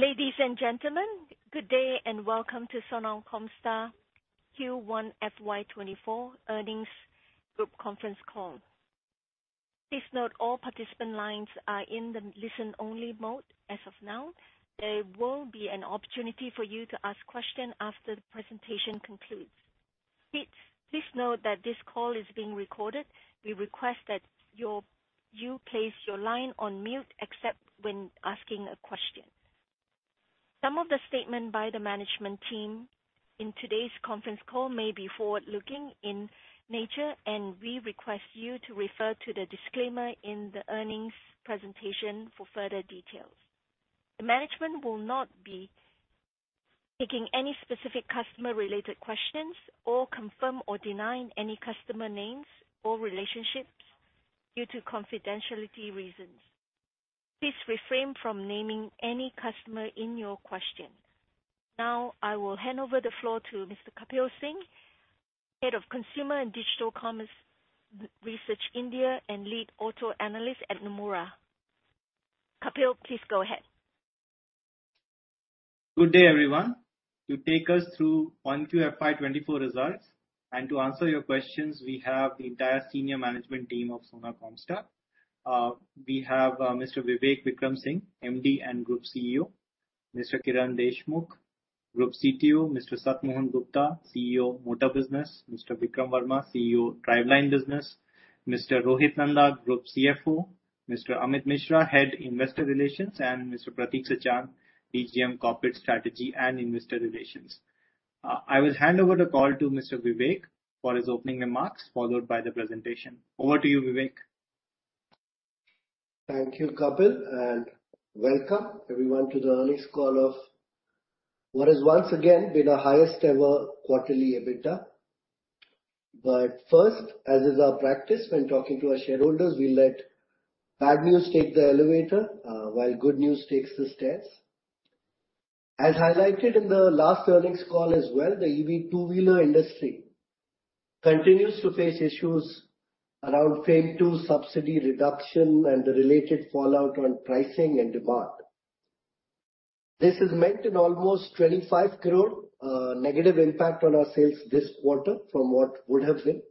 Ladies and gentlemen, good day. Welcome to Sona Comstar Q1 FY 2024 Earnings Group Conference Call. Please note all participant lines are in the listen-only mode as of now. There will be an opportunity for you to ask questions after the presentation concludes. Please note that this call is being recorded. We request that you place your line on mute except when asking a question. Some of the statement by the management team in today's conference call may be forward-looking in nature, and we request you to refer to the disclaimer in the earnings presentation for further details. The management will not be taking any specific customer-related questions or confirm or deny any customer names or relationships due to confidentiality reasons. Please refrain from naming any customer in your question. Now, I will hand over the floor to Mr. Kapil Singh, Head of Consumer and Digital Commerce, Research India, and Lead Auto Analyst at Nomura. Kapil, please go ahead. Good day, everyone. To take us through Q1 FY2024 results and to answer your questions, we have the entire senior management team of Sona BLW Precision Forgings. We have Mr. Vivek Vikram Singh, MD and Group CEO, Mr. Kiran Deshmukh, Group CTO, Mr. Sat Mohan Gupta, CEO, Motor Business, Mr. Vikram Verma, CEO, Driveline Business, Mr. Rohit Nanda, Group CFO, Mr. Amit Mishra, Head, Investor Relations, and Mr. Prateek Sachan, PGM, Corporate Strategy and Investor Relations. I will hand over the call to Mr. Vivek for his opening remarks, followed by the presentation. Over to you, Vivek. Thank you, Kapil. Welcome everyone to the earnings call of what has once again been our highest ever quarterly EBITDA. First, as is our practice when talking to our shareholders, we let bad news take the elevator while good news takes the stairs. As highlighted in the last earnings call as well, the EV two-wheeler industry continues to face issues around phase II subsidy reduction and the related fallout on pricing and demand. This is meant in almost 25 crore negative impact on our sales this quarter from what would have been.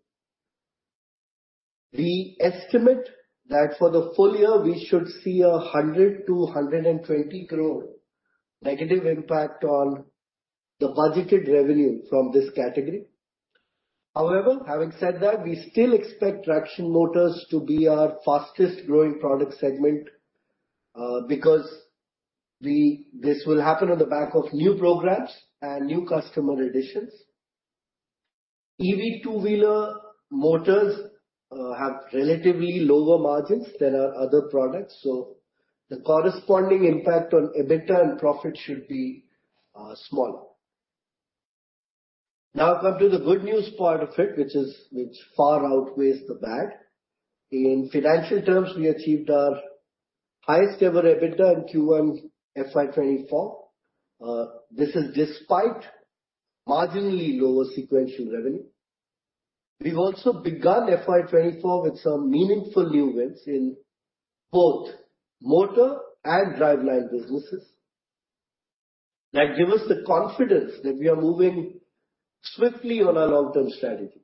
We estimate that for the full year, we should see an 100-120 crore negative impact on the budgeted revenue from this category. Having said that, we still expect traction motors to be our fastest growing product segment, because this will happen on the back of new programs and new customer additions. EV two-wheeler motors have relatively lower margins than our other products, so the corresponding impact on EBITDA and profit should be smaller. I come to the good news part of it, which is, which far outweighs the bad. In financial terms, we achieved our highest ever EBITDA in Q1 FY 2024. This is despite marginally lower sequential revenue. We've also begun FY 2024 with some meaningful new wins in both motor and driveline businesses that give us the confidence that we are moving swiftly on our long-term strategy.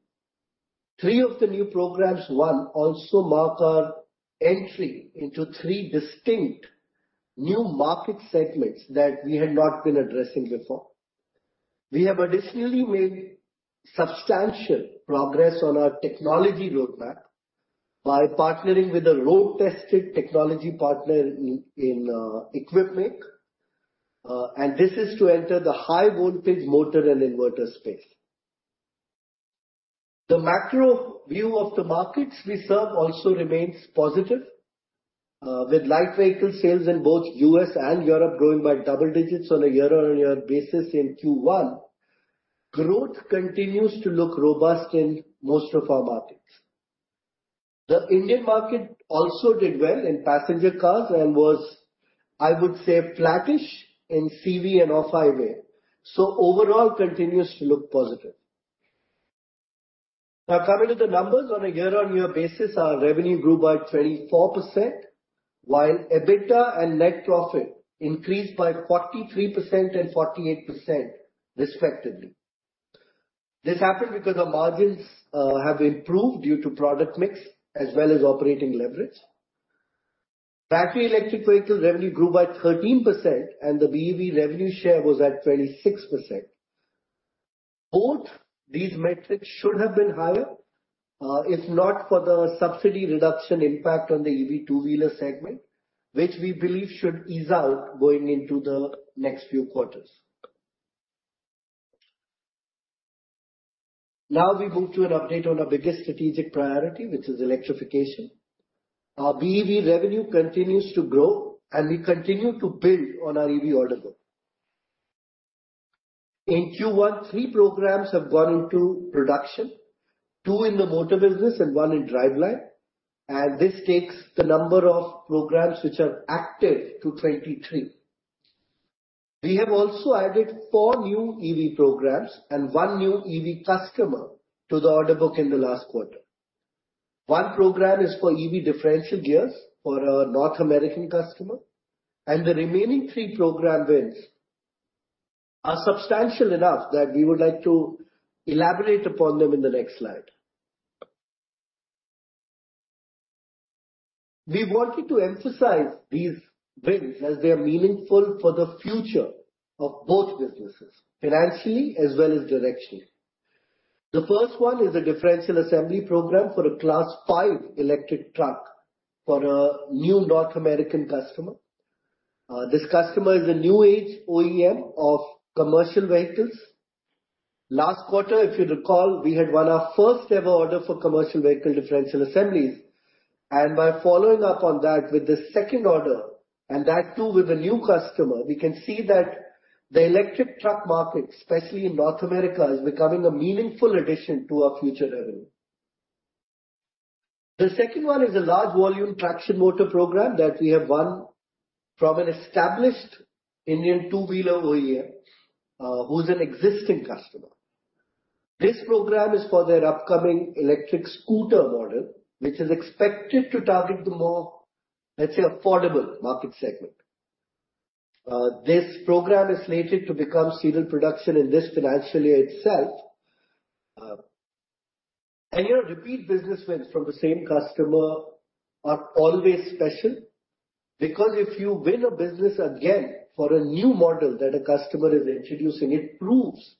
Three of the new programs, one, also mark our entry into three distinct new market segments that we had not been addressing before. We have additionally made substantial progress on our technology roadmap by partnering with a road-tested technology partner in Equipmake. This is to enter the high-voltage motor and inverter space. The macro view of the markets we serve also remains positive, with light vehicle sales in both U.S. and Europe growing by double digits on a year-on-year basis in Q1. Growth continues to look robust in most of our markets. The Indian market also did well in passenger cars and was, I would say, flattish in CV and off-highway. Overall continues to look positive. Coming to the numbers. On a year-on-year basis, our revenue grew by 24%, while EBITDA and net profit increased by 43% and 48% respectively. This happened because our margins have improved due to product mix as well as operating leverage. Battery electric vehicle revenue grew by 13%, and the BEV revenue share was at 26%. Both these metrics should have been higher, if not for the subsidy reduction impact on the EV two-wheeler segment, which we believe should ease out going into the next few quarters. We move to an update on our biggest strategic priority, which is electrification. Our BEV revenue continues to grow, and we continue to build on our EV order book. In Q1, 3 programs have gone into production, 2 in the motor business and 1 in driveline, and this takes the number of programs which are active to 23. We have also added 4 new EV programs and 1 new EV customer to the order book in the last quarter. One program is for EV differential gears for a North American customer. The remaining three program wins are substantial enough that we would like to elaborate upon them in the next slide. We wanted to emphasize these wins as they are meaningful for the future of both businesses, financially as well as directionally. The first one is a differential assembly program for a Class 5 electric truck for a new North American customer. This customer is a new age OEM of commercial vehicles. Last quarter, if you recall, we had won our first ever order for commercial vehicle differential assemblies, and by following up on that with this second order, and that too with a new customer, we can see that the electric truck market, especially in North America, is becoming a meaningful addition to our future revenue. The second one is a large volume traction motor program that we have won from an established Indian two-wheeler OEM, who's an existing customer. This program is for their upcoming electric scooter model, which is expected to target the more, let's say, affordable market segment. This program is slated to become serial production in this financial year itself. You know, repeat business wins from the same customer are always special, because if you win a business again for a new model that a customer is introducing, it proves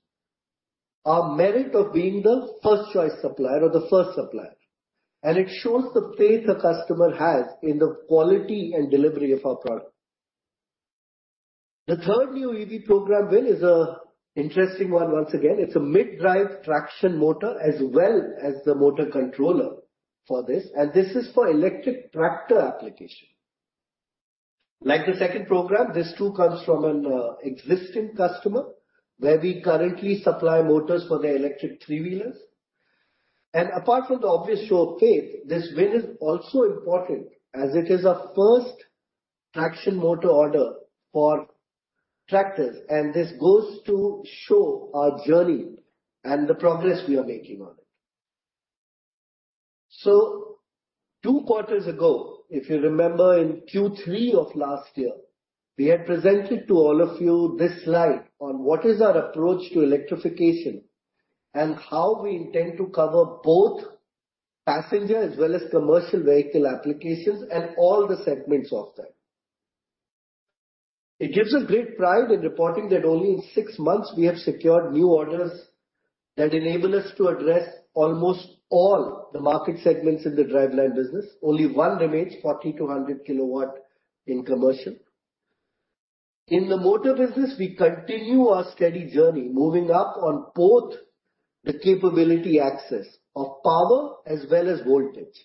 our merit of being the first choice supplier or the first supplier, and it shows the faith a customer has in the quality and delivery of our product. The third new EV program win is an interesting one once again, it's a mid-drive traction motor as well as the motor controller for this, and this is for electric tractor application. Like the second program, this too comes from an existing customer, where we currently supply motors for their electric three-wheelers. Apart from the obvious show of faith, this win is also important as it is our first traction motor order for tractors, and this goes to show our journey and the progress we are making on it. Two quarters ago, if you remember, in Q3 of last year, we had presented to all of you this slide on what is our approach to electrification and how we intend to cover both passenger as well as commercial vehicle applications, and all the segments of that. It gives us great pride in reporting that only in six months we have secured new orders that enable us to address almost all the market segments in the driveline business. Only one remains, 40 to 100 kW in commercial. In the motor business, we continue our steady journey, moving up on both the capability axis of power as well as voltage.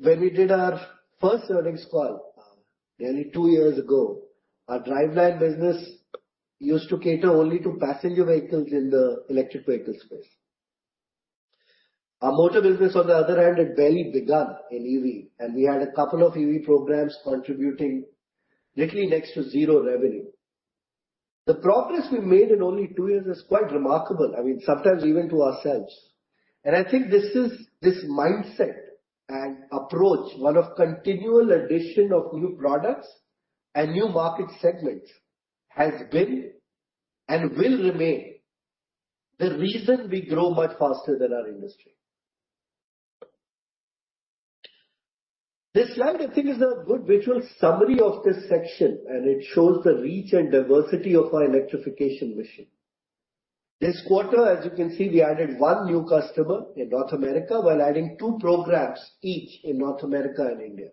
When we did our first earnings call, nearly two years ago, our driveline business used to cater only to passenger vehicles in the electric vehicle space. Our motor business, on the other hand, had barely begun in EV, and we had a couple of EV programs contributing literally next to zero revenue. The progress we made in only 2 years is quite remarkable, I mean, sometimes even to ourselves. I think this mindset and approach, one of continual addition of new products and new market segments, has been and will remain the reason we grow much faster than our industry. This slide, I think, is a good visual summary of this section. It shows the reach and diversity of our electrification mission. This quarter, as you can see, we added 1 new customer in North America, while adding 2 programs, each in North America and India.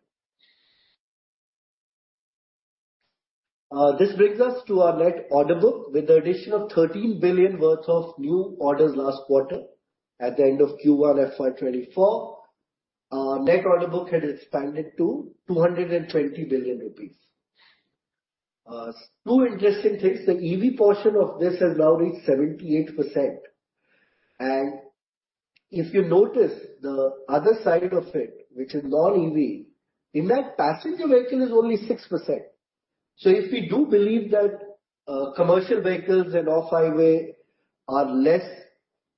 This brings us to our net order book with the addition of 13 billion worth of new orders last quarter. At the end of Q1 FY 2024, our net order book had expanded to 220 billion rupees. Two interesting things, the EV portion of this has now reached 78%, and if you notice the other side of it, which is non-EV, in that, passenger vehicle is only 6%. If we do believe that commercial vehicles and off-highway are less,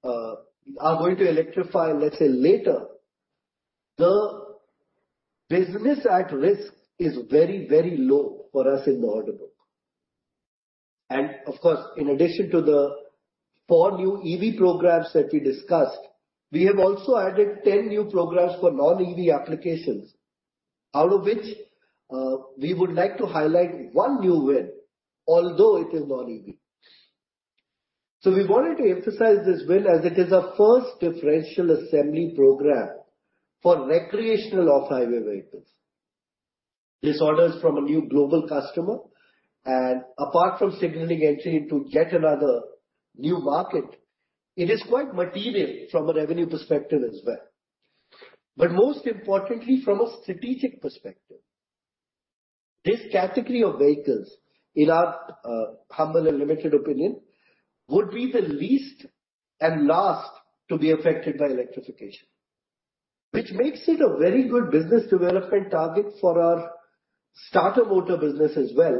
are going to electrify, let's say, later, the business at risk is very, very low for us in the order book. Of course, in addition to the four new EV programs that we discussed, we have also added 10 new programs for non-EV applications, out of which we would like to highlight one new win, although it is non-EV. We wanted to emphasize this win as it is our first differential assembly program for recreational off-highway vehicles. This order is from a new global customer, and apart from signaling entry into yet another new market, it is quite material from a revenue perspective as well, but most importantly, from a strategic perspective. This category of vehicles, in our humble and limited opinion, would be the least and last to be affected by electrification. Which makes it a very good business development target for our starter motor business as well.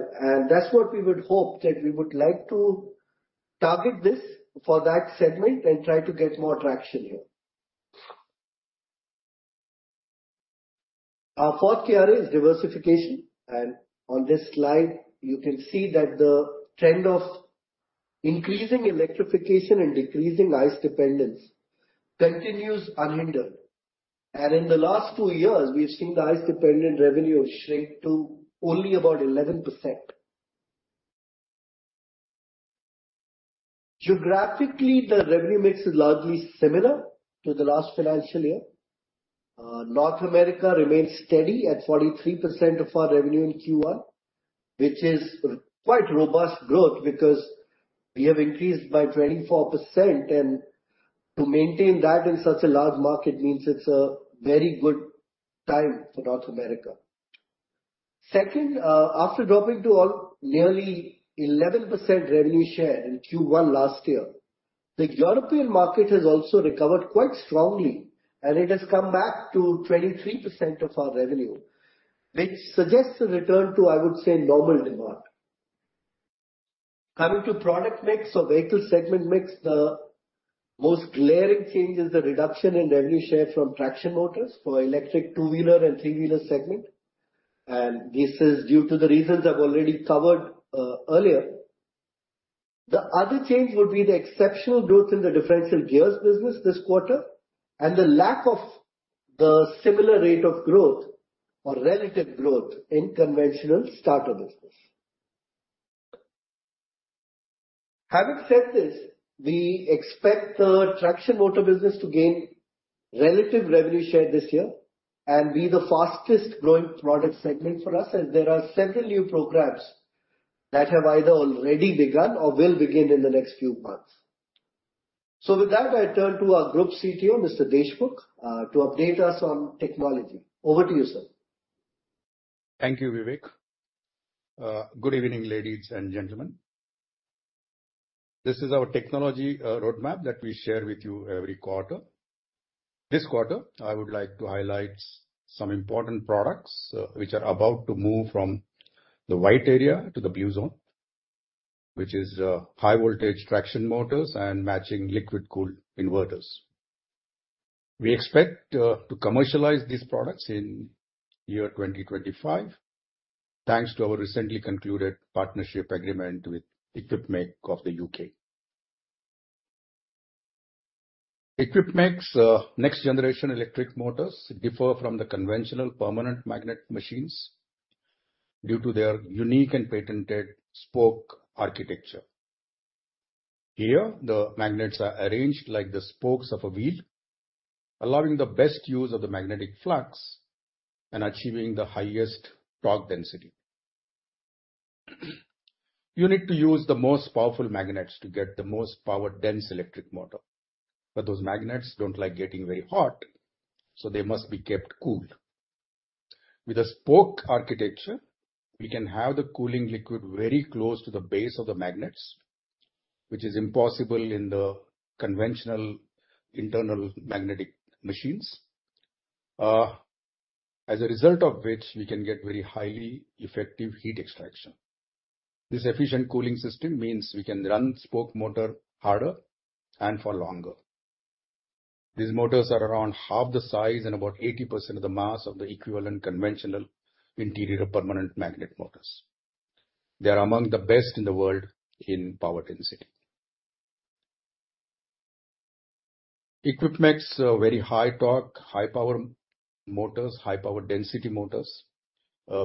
That's what we would hope, that we would like to target this for that segment and try to get more traction here. Our fourth KRA is diversification. On this slide, you can see that the trend of increasing electrification and decreasing ICE dependence continues unhindered. In the last two years, we've seen the ICE-dependent revenue shrink to only about 11%. Geographically, the revenue mix is largely similar to the last financial year. North America remains steady at 43% of our revenue in Q1, which is quite robust growth because we have increased by 24%, and to maintain that in such a large market means it's a very good time for North America. Second, after dropping to nearly 11% revenue share in Q1 last year, the European market has also recovered quite strongly and it has come back to 23% of our revenue, which suggests a return to, I would say, normal demand. Coming to product mix or vehicle segment mix, the most glaring change is the reduction in revenue share from traction motors for electric two-wheeler and three-wheeler segment, and this is due to the reasons I've already covered earlier. The other change would be the exceptional growth in the differential gears business this quarter, and the lack of the similar rate of growth or relative growth in conventional starter business. Having said this, we expect the traction motor business to gain relative revenue share this year and be the fastest growing product segment for us, as there are several new programs that have either already begun or will begin in the next few months. With that, I turn to our group CTO, Mr. Deshmukh, to update us on technology. Over to you, sir. Thank you, Vivek. Good evening, ladies and gentlemen. This is our technology roadmap that we share with you every quarter. This quarter, I would like to highlight some important products, which are about to move from the white area to the blue zone, which is high-voltage traction motors and matching liquid-cooled inverters. We expect to commercialize these products in year 2025, thanks to our recently concluded partnership agreement with Equipmake of the U.K. Equipmake's next generation electric motors differ from the conventional permanent magnet machines due to their unique and patented spoke architecture. Here, the magnets are arranged like the spokes of a wheel, allowing the best use of the magnetic flux and achieving the highest torque density. You need to use the most powerful magnets to get the most power-dense electric motor. Those magnets don't like getting very hot, so they must be kept cool. With a spoke architecture, we can have the cooling liquid very close to the base of the magnets, which is impossible in the conventional internal magnetic machines, as a result of which, we can get very highly effective heat extraction. This efficient cooling system means we can run spoke motor harder and for longer. These motors are around half the size and about 80% of the mass of the equivalent conventional interior permanent magnet motors. They are among the best in the world in power density. Equipmake's very high torque, high power motors, high power density motors,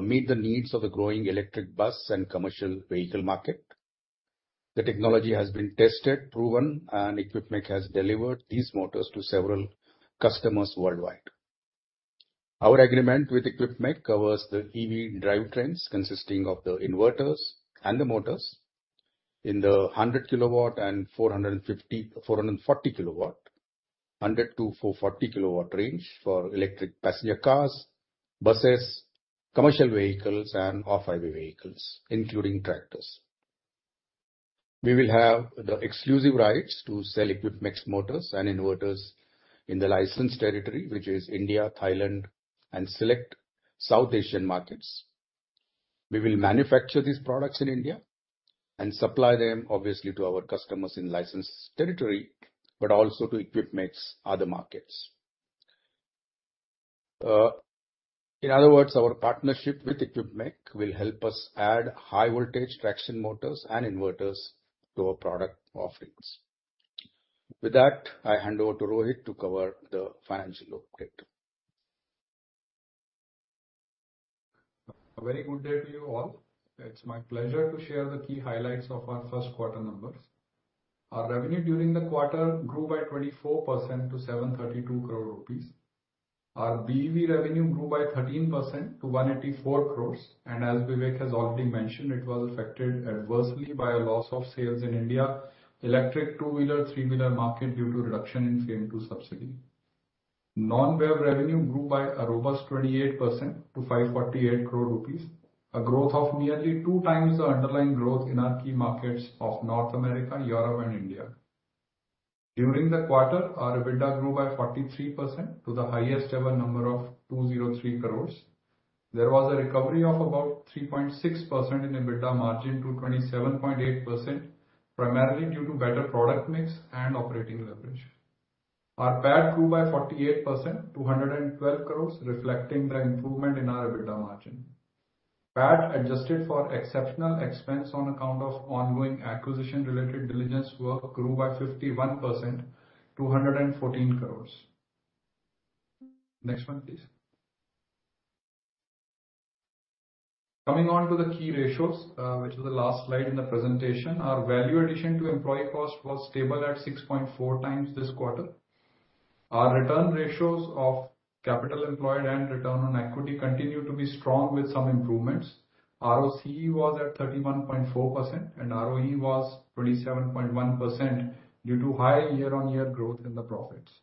meet the needs of the growing electric bus and commercial vehicle market. The technology has been tested, proven, Equipmake has delivered these motors to several customers worldwide. Our agreement with Equipmake covers the EV drivetrains, consisting of the inverters and the motors in the 100 kW and 440 kW, 100-440 kW range for electric passenger cars, buses, commercial vehicles, and off-highway vehicles, including tractors. We will have the exclusive rights to sell Equipmake's motors and inverters in the licensed territory, which is India, Thailand, and select South Asian markets. We will manufacture these products in India and supply them, obviously, to our customers in licensed territory, but also to Equipmake's other markets. In other words, our partnership with Equipmake will help us add high-voltage traction motors and inverters to our product offerings. With that, I hand over to Rohit to cover the financial update. A very good day to you all. It's my pleasure to share the key highlights of our first quarter numbers. Our revenue during the quarter grew by 24% to 732 crore rupees. Our BEV revenue grew by 13% to 184 crore, and as Vivek has already mentioned, it was affected adversely by a loss of sales in India, electric two-wheeler, three-wheeler market due to reduction in FAME II subsidy. Non-BEV revenue grew by a robust 28% to 548 crore rupees, a growth of nearly two times the underlying growth in our key markets of North America, Europe and India. During the quarter, our EBITDA grew by 43% to the highest ever number of 203 crore. There was a recovery of about 3.6% in EBITDA margin to 27.8%, primarily due to better product mix and operating leverage. Our PAT grew by 48% to 112 crores, reflecting the improvement in our EBITDA margin. PAT, adjusted for exceptional expense on account of ongoing acquisition-related diligence work, grew by 51% to 114 crores. Next one, please. Coming on to the key ratios, which is the last slide in the presentation. Our value addition to employee cost was stable at 6.4 times this quarter. Our return ratios of capital employed and return on equity continue to be strong with some improvements. ROCE was at 31.4%, and ROE was 27.1% due to high year-on-year growth in the profits.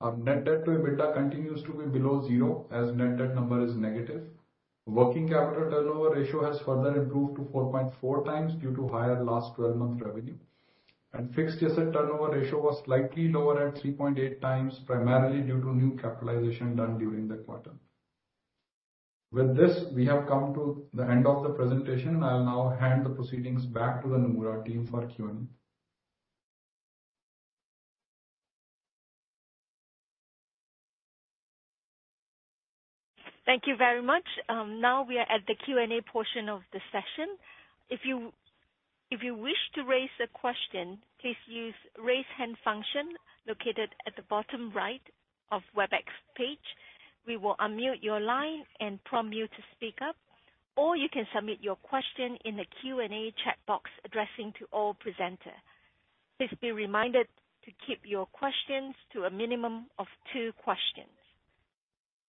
Our net debt to EBITDA continues to be below zero, as net debt number is negative. Working capital turnover ratio has further improved to 4.4 times due to higher last twelve-month revenue. Fixed asset turnover ratio was slightly lower at 3.8 times, primarily due to new capitalization done during the quarter. With this, we have come to the end of the presentation. I'll now hand the proceedings back to the Nomura team for Q&A. Thank you very much. Now we are at the Q&A portion of the session. If you wish to raise a question, please use raise-hand function located at the bottom right of Webex page. We will unmute your line and prompt you to speak up, or you can submit your question in the Q&A chat box addressing to all presenter. Please be reminded to keep your questions to a minimum of two questions.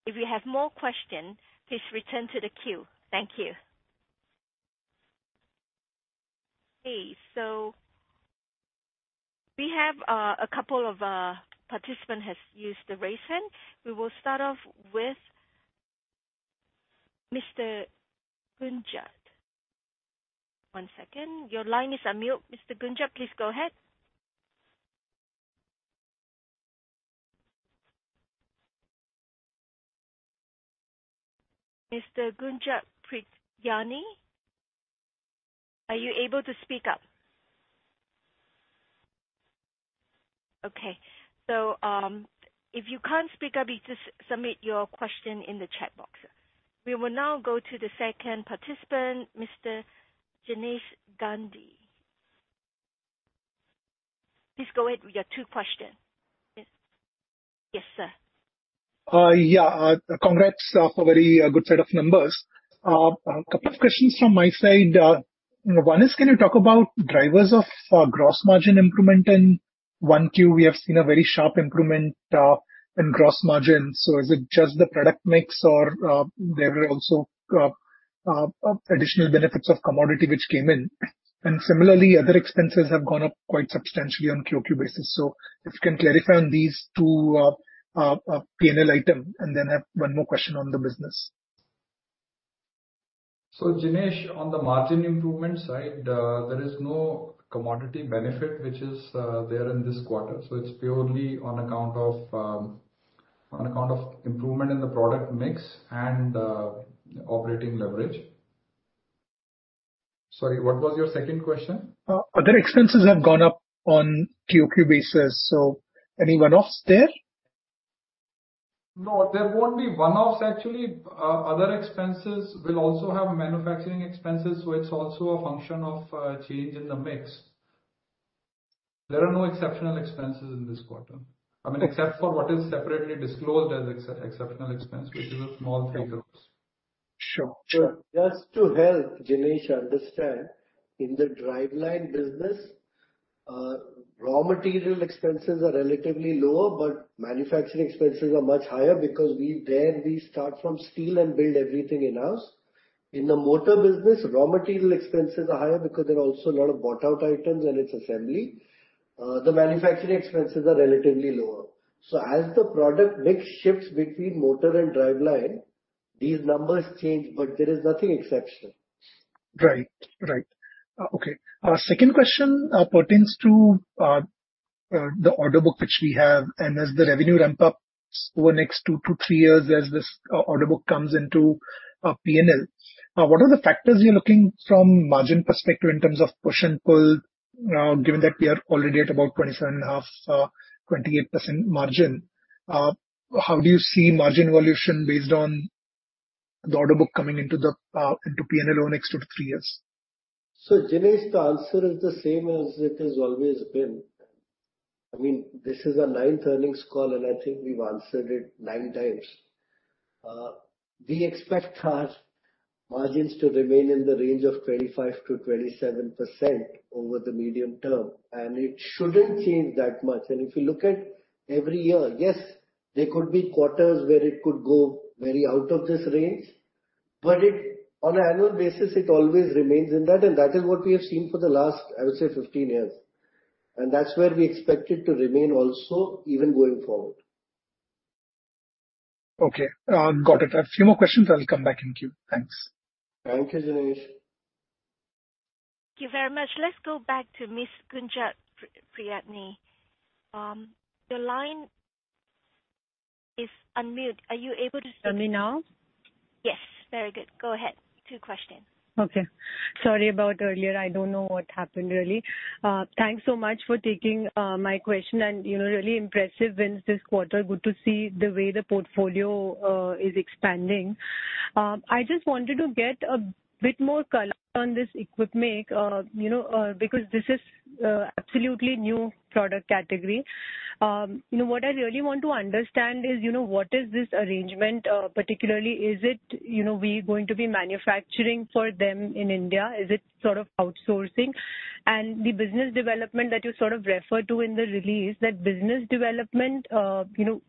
If you have more question, please return to the queue. Thank you. We have a couple of participant has used the raise-hand. We will start off with Mr. Gunjad. One second. Your line is unmute, Mr. Gunjad, please go ahead. Mr. Gunjad Priyani, are you able to speak up? If you can't speak up, you just submit your question in the chat box. We will now go to the second participant, Mr. Jinesh Gandhi. Please go ahead with your two questions. Yes. Yes, sir. Yeah, congrats on a very good set of numbers. A couple of questions from my side. One is, can you talk about drivers of gross margin improvement in 1Q? We have seen a very sharp improvement in gross margin, so is it just the product mix or there are also additional benefits of commodity which came in? Similarly, other expenses have gone up quite substantially on quarter-over-quarter basis. If you can clarify on these two P&L item, and then I have one more question on the business. Jinesh, on the margin improvement side, there is no commodity benefit which is there in this quarter. It's purely on account of improvement in the product mix and operating leverage. Sorry, what was your second question? Other expenses have gone up on QoQ basis, so any one-offs there? There won't be one-offs, actually. Other expenses will also have manufacturing expenses, so it's also a function of change in the mix. There are no exceptional expenses in this quarter, I mean, except for what is separately disclosed as ex, exceptional expense, which is a small 3 crore. Sure. Sure. Just to help Jinesh understand, in the driveline business, raw material expenses are relatively lower, but manufacturing expenses are much higher because there we start from steel and build everything in-house. In the motor business, raw material expenses are higher because there are also a lot of bought out items and it's assembly. The manufacturing expenses are relatively lower. As the product mix shifts between motor and driveline, these numbers change, but there is nothing exceptional. Right. Right. Okay. Second question pertains to the order book which we have, and as the revenue ramp up over the next 2-3 years as this order book comes into P&L. What are the factors you're looking from margin perspective in terms of push and pull, given that we are already at about 27.5%, 28% margin? How do you see margin evolution based on the order book coming into the into P&L over the next 2-3 years? Jinesh, the answer is the same as it has always been. I mean, this is our ninth earnings call, and I think we've answered it nine times. We expect our margins to remain in the range of 25%-27% over the medium term, and it shouldn't change that much. If you look at every year, yes, there could be quarters where it could go very out of this range, but it, on an annual basis, it always remains in that, and that is what we have seen for the last, I would say, 15 years. That's where we expect it to remain also, even going forward.... got it. I have a few more questions. I will come back in queue. Thanks. Thank you, Jinesh. Thank you very much. Let's go back to Miss Gunjan Prithyani. Your line is unmute. Are you able to? Hear me now? Yes. Very good. Go ahead. Two questions. Okay. Sorry about earlier. I don't know what happened, really. Thanks so much for taking my question, and, you know, really impressive wins this quarter. Good to see the way the portfolio is expanding. I just wanted to get a bit more color on this Equipmake, you know, because this is absolutely new product category. You know, what I really want to understand is, you know, what is this arrangement? Particularly, is it, you know, we going to be manufacturing for them in India? Is it sort of outsourcing? The business development that you sort of referred to in the release, that business development, you know,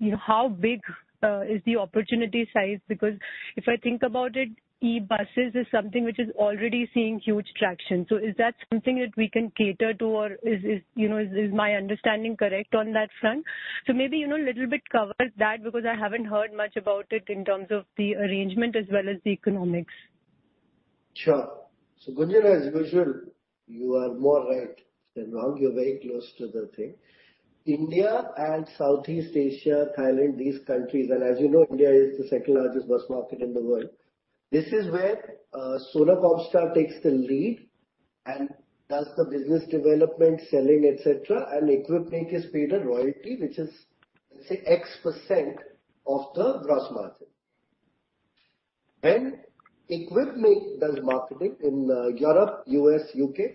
you know, how big is the opportunity size? If I think about it, e-buses is something which is already seeing huge traction. Is that something that we can cater to, or is, you know, is my understanding correct on that front? Maybe, you know, a little bit cover that, because I haven't heard much about it in terms of the arrangement as well as the economics. Sure. Gunjat, as usual, you are more right than wrong. You're very close to the thing. India and Southeast Asia, Thailand, these countries, as you know, India is the second largest bus market in the world. This is where Sona Comstar takes the lead and does the business development, selling, et cetera, and Equipmake is paid a royalty, which is, say, X% of the gross margin. When Equipmake does marketing in Europe, U.S., U.K.,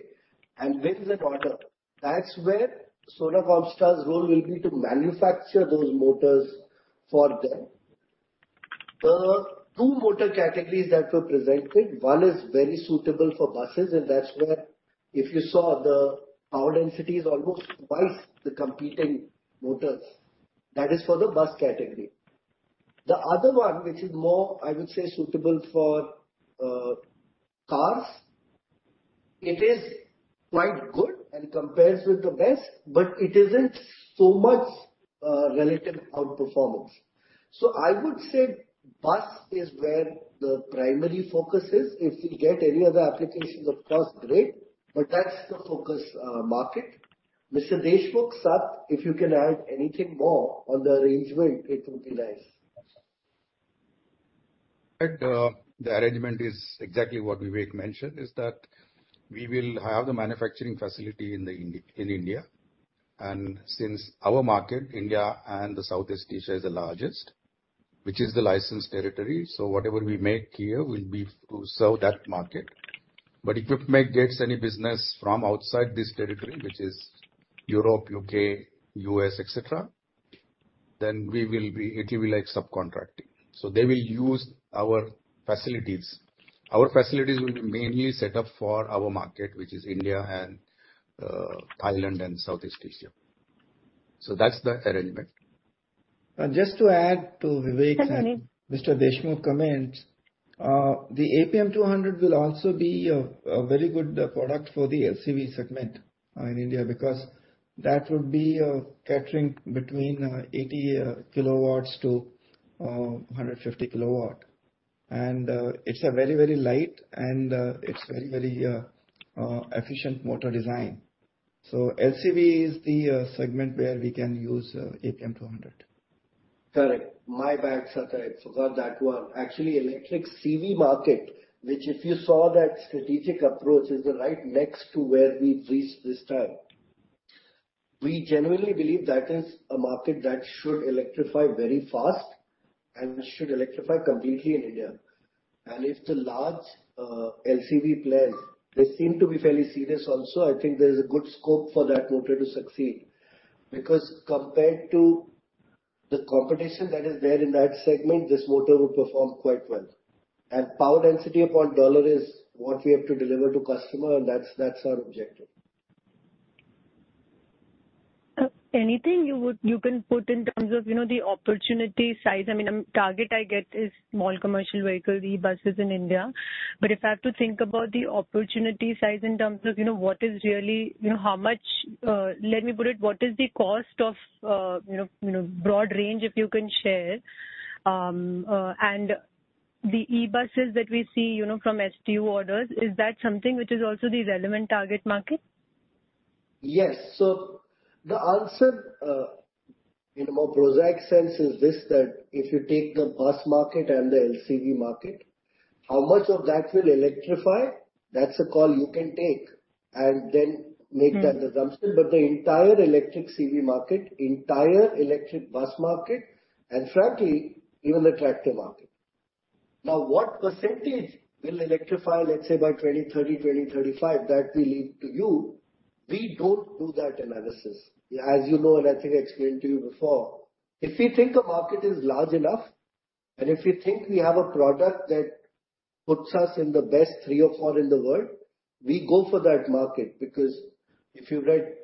and wins an order, that's where Sona Comstar's role will be to manufacture those motors for them. The two motor categories that were presented, one is very suitable for buses, that's where, if you saw, the power density is almost twice the competing motors. That is for the bus category. The other one, which is more, I would say, suitable for cars, it is quite good and compares with the best, but it isn't so much relative outperformance. I would say bus is where the primary focus is. If we get any other applications, of course, great, but that's the focus, market. Mr. Deshmukh, sir, if you can add anything more on the arrangement, it would be nice. The arrangement is exactly what Vivek mentioned, is that we will have the manufacturing facility in India, and since our market, India and the Southeast Asia, is the largest, which is the licensed territory, whatever we make here will be to serve that market. If Equipmake gets any business from outside this territory, which is Europe, U.K., U.S., et cetera, then it will be like subcontracting. They will use our facilities. Our facilities will be mainly set up for our market, which is India and Thailand and Southeast Asia. That's the arrangement. Just to add to Vivek. Hi, Sunny. Mr. Deshmukh comments, the APM-200 will also be a very good product for the LCV segment in India, because that would be capturing between 80 kW to 150 kW. It's a very, very light and it's very, very efficient motor design. LCV is the segment where we can use APM-200. Correct. My bad, Satay, forgot that one. Actually, electric CV market, which, if you saw that strategic approach, is the right next to where we reached this time. We generally believe that is a market that should electrify very fast and should electrify completely in India. If the large, LCV players, they seem to be fairly serious also, I think there is a good scope for that motor to succeed, because compared to the competition that is there in that segment, this motor will perform quite well. Power density upon dollar is what we have to deliver to customer, and that's our objective. Anything you can put in terms of, you know, the opportunity size? I mean, target I get is small commercial vehicles, the buses in India. If I have to think about the opportunity size in terms of, you know, how much, let me put it, what is the cost of, you know, broad range, if you can share? The e-buses that we see, you know, from STU orders, is that something which is also the relevant target market? Yes. The answer, in a more prosaic sense, is this, that if you take the bus market and the LCV market, how much of that will electrify? That's a call you can take and then make that assumption. Mm. The entire electric CV market, entire electric bus market, and frankly, even the tractor market. Now, what percentage will electrify, let's say, by 2030, 2035, that we leave to you. We don't do that analysis. As you know, and I think I explained to you before, if we think a market is large enough, and if we think we have a product that puts us in the best 3 or 4 in the world, we go for that market. Because if you read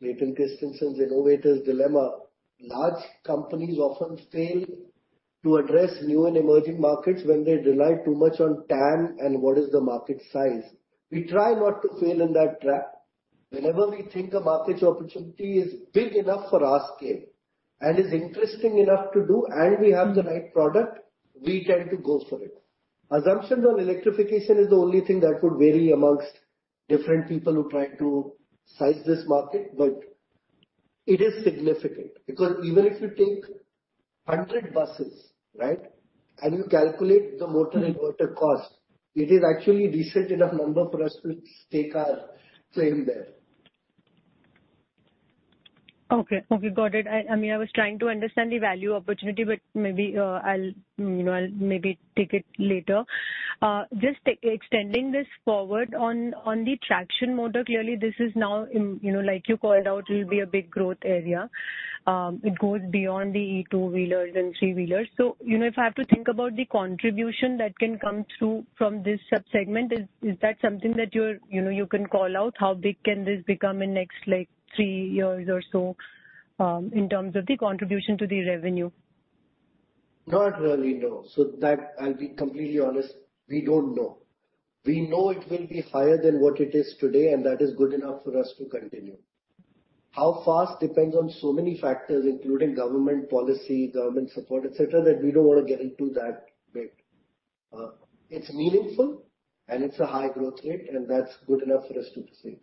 Clayton Christensen's The Innovator's Dilemma, large companies often fail to address new and emerging markets when they rely too much on TAM and what is the market size. We try not to fail in that trap. Whenever we think a market opportunity is big enough for our scale and is interesting enough to do, and we have the right product, we tend to go for it. Assumptions on electrification is the only thing that would vary amongst different people who try to size this market, but it is significant. Even if you take 100 buses, right, and you calculate the motor inverter cost, it is actually decent enough number for us to stake our claim there. Okay. Okay, got it. I mean, I was trying to understand the value opportunity, but maybe, I'll, you know, I'll maybe take it later. Just take extending this forward on the traction motor, clearly, this is now in, you know, like you called out, will be a big growth area. It goes beyond the e-two-wheelers and three-wheelers. You know, if I have to think about the contribution that can come through from this sub-segment, is that something that you're, you know, you can call out? How big can this become in next, like, 3 years or so, in terms of the contribution to the revenue? Not really, no. That I'll be completely honest, we don't know. We know it will be higher than what it is today, and that is good enough for us to continue. How fast depends on so many factors, including government policy, government support, et cetera, that we don't want to get into that bit. It's meaningful, and it's a high growth rate, and that's good enough for us to proceed.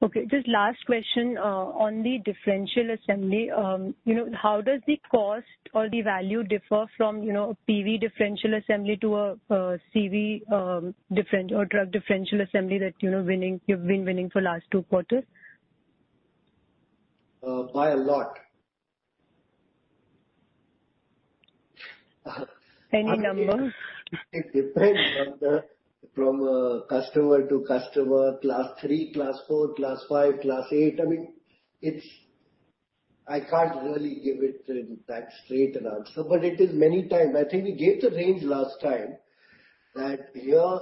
Okay, just last question, on the differential assembly. You know, how does the cost or the value differ from, you know, PV differential assembly to a CV or truck differential assembly that, you know, you've been winning for last 2 quarters? By a lot. Any number? It depends on the, from, customer to customer, Class 3, Class 4, Class 5, Class 8. I mean, it's I can't really give it in that straight an answer, but it is many time. I think we gave the range last time, that here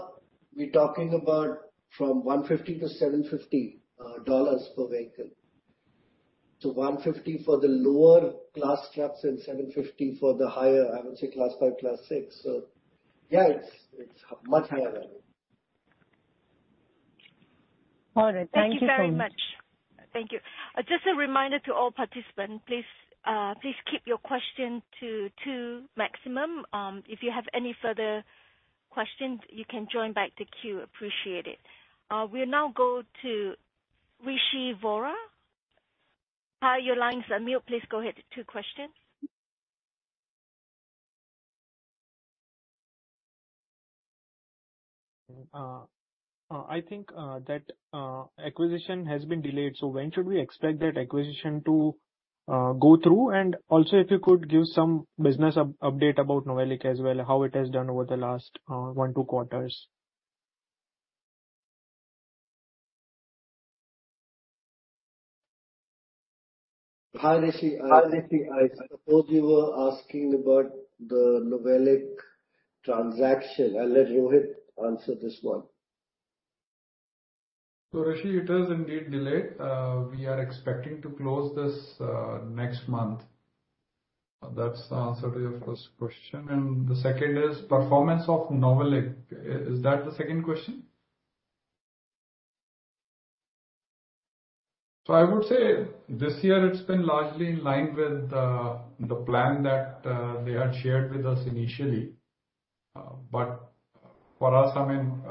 we're talking about from $150-$750 per vehicle. $150 for the lower class trucks and $750 for the higher, I would say Class 5, Class 6. Yeah, it's much higher. All right. Thank you. Thank you very much. Thank you. Just a reminder to all participants, please keep your questions to 2 maximum. If you have any further questions, you can join back the queue. Appreciate it. We'll now go to Rishi Vora. Hi, your line is unmute. Please go ahead, 2 questions. I think that acquisition has been delayed, so when should we expect that acquisition to go through? Also, if you could give some business update about Novelic as well, how it has done over the last one, two quarters. Hi, Rishi. I suppose you were asking about the Novelic transaction. I'll let Rohit answer this one. Rishi, it is indeed delayed. We are expecting to close this next month. That's the answer to your first question. The second is performance of Novelic. Is that the second question? I would say this year it's been largely in line with the plan that they had shared with us initially. For us, I mean,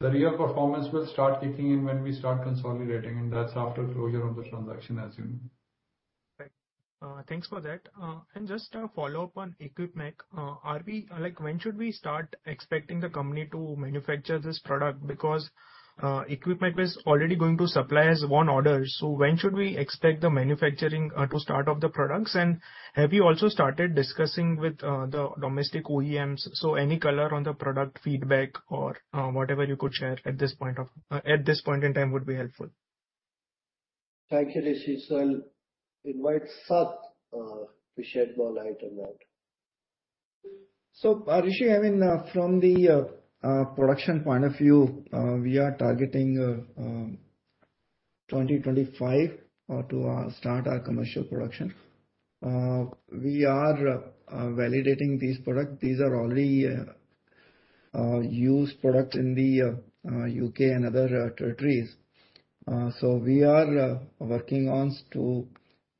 the real performance will start kicking in when we start consolidating, and that's after closure of the transaction, as you know. Right. Thanks for that. Just a follow-up on Equipmake. Like, when should we start expecting the company to manufacture this product? Because Equipmake is already going to supply us one order, so when should we expect the manufacturing to start of the products? Have you also started discussing with the domestic OEMs? Any color on the product feedback or whatever you could share at this point in time would be helpful. Thank you, Rishi. I'll invite Sath to shed more light on that. Rishi, from the production point of view, we are targeting 2025 to start our commercial production. We are validating these products. These are already used products in the U.K. and other territories. We are working on to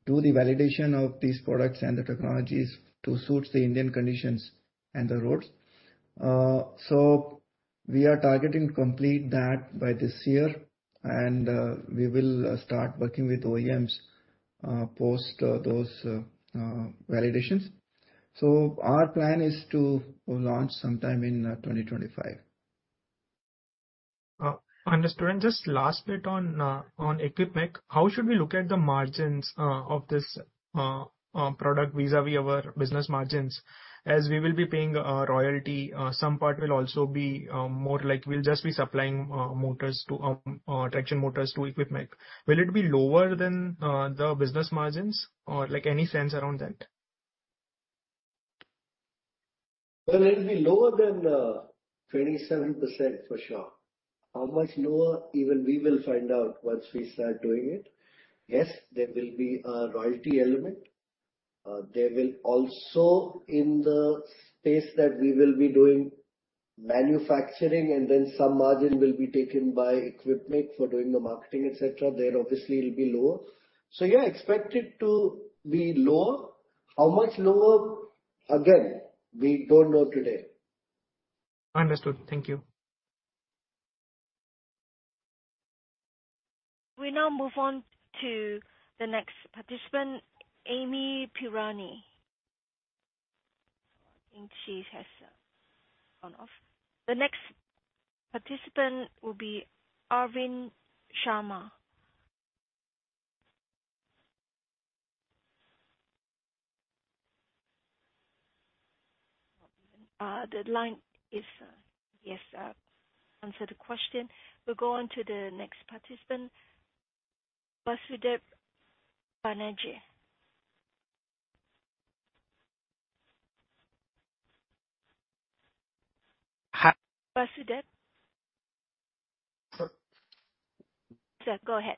do the validation of these products and the technologies to suit the Indian conditions and the roads. We are targeting to complete that by this year, and we will start working with OEMs post those validations. Our plan is to launch sometime in 2025. Understood. Just last bit on Equipmake, how should we look at the margins of this product vis-a-vis our business margins? As we will be paying royalty, some part will also be more like we'll just be supplying motors to traction motors to Equipmake. Will it be lower than the business margins or like any sense around that? Well, it'll be lower than 27% for sure. How much lower? Even we will find out once we start doing it. Yes, there will be a royalty element. They will also in the space that we will be doing manufacturing, and then some margin will be taken by Equipmake for doing the marketing, et cetera. There obviously it'll be lower. Yeah, expect it to be lower. How much lower? Again, we don't know today. Understood. Thank you. We now move on to the next participant, Amyn Pirani. I think she has gone off. The next participant will be Arvind Sharma. The line is, yes, answer the question. We'll go on to the next participant, Basudeb Banerjee. Hi- Basudeb? Sir, go ahead.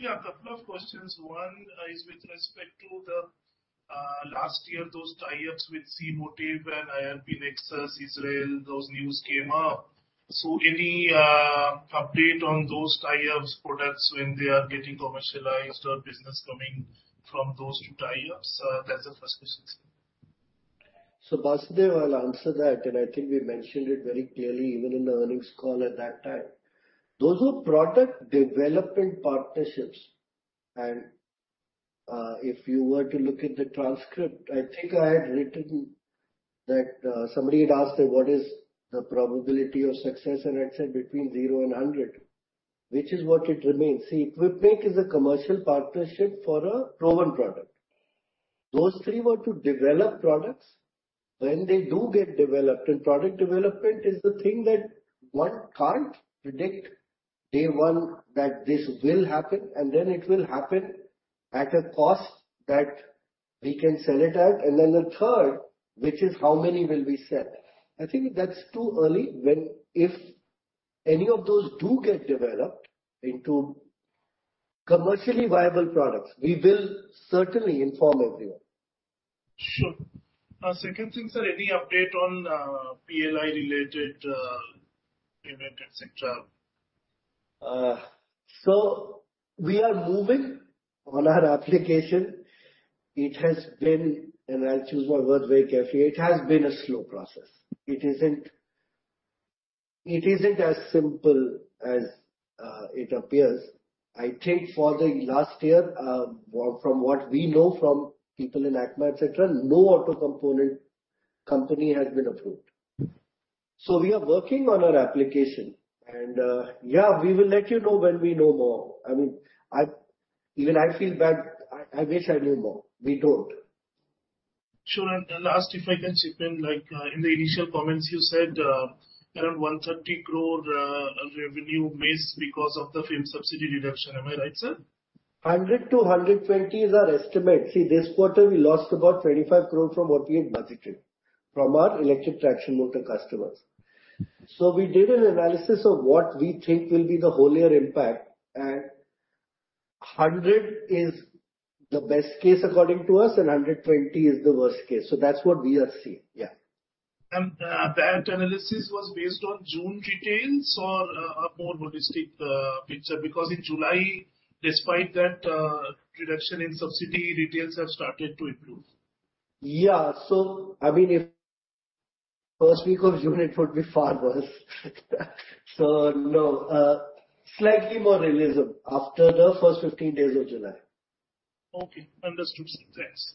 A couple of questions. One is with respect to the last year, those tie-ups with C-Motive and IRP Nexus, Israel, those news came up. Any update on those tie-ups products when they are getting commercialized or business coming from those two tie-ups? That's the first question, sir. Basudeb, I'll answer that, and I think we mentioned it very clearly, even in the earnings call at that time. Those were product development partnerships, and if you were to look at the transcript, I think I had written that somebody had asked that what is the probability of success? I'd said between 0 and 100, which is what it remains. Equipmake is a commercial partnership for a proven product. Those 3 were to develop products. When they do get developed, and product development is the thing that 1 can't predict, day 1, that this will happen, and then it will happen at a cost that we can sell it at. Then the third, which is how many will we sell? I think that's too early. If any of those do get developed into commercially viable products, we will certainly inform everyone. Sure. Second thing, sir, any update on PLI related event, et cetera? We are moving on our application. It has been, and I'll choose my words very carefully, it has been a slow process. It isn't as simple as it appears. I think for the last year, from what we know from people in ACMA, et cetera, no auto component company has been approved. We are working on our application, and, yeah, we will let you know when we know more. I mean, I, even I feel bad. I wish I knew more. We don't. Sure. Last, if I can, chip in, like, in the initial comments you said, around 130 crore, revenue missed because of the film subsidy reduction. Am I right, sir? 100-120 is our estimate. This quarter we lost about 25 crore from what we had budgeted from our electric traction motor customers. We did an analysis of what we think will be the whole year impact, and 100 is the best case, according to us, and 120 is the worst case. That's what we are seeing. Yeah. That analysis was based on June retails or a more holistic picture? Because in July, despite that reduction in subsidy, retails have started to improve. Yeah. I mean, if first week of June, it would be far worse. No, slightly more realism after the first 15 days of July. Okay, understood. Thanks.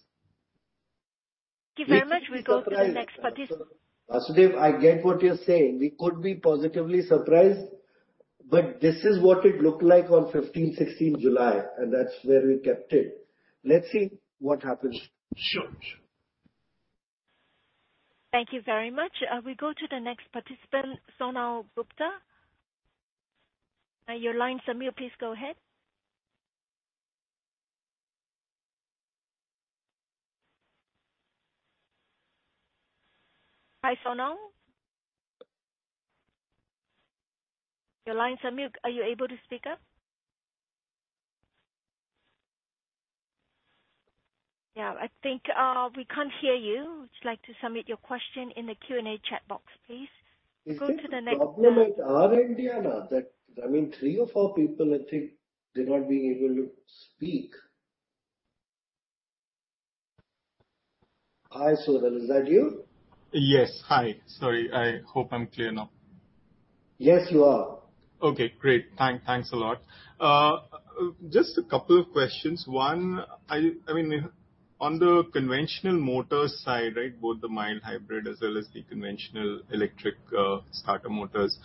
Thank you very much. We go to the next participant- Basudeb, I get what you're saying. We could be positively surprised, but this is what it looked like on 15th, 16th July, and that's where we kept it. Let's see what happens. Sure. Sure. Thank you very much. We go to the next participant, Sonal Gupta. Your line's unmute. Please go ahead. Hi, Sonal. Your lines are mute. Are you able to speak up? Yeah, I think, we can't hear you. Would you like to submit your question in the Q&A chat box, please? Is there a problem with our end or not? That, I mean, three or four people, I think, they're not being able to speak. Hi, Sonal, is that you? Yes. Hi. Sorry, I hope I'm clear now. Yes, you are. Okay, great. Thanks a lot. Just a couple of questions. One, I mean, on the conventional motor side, right, both the mild hybrid as well as the conventional electric, starter motors,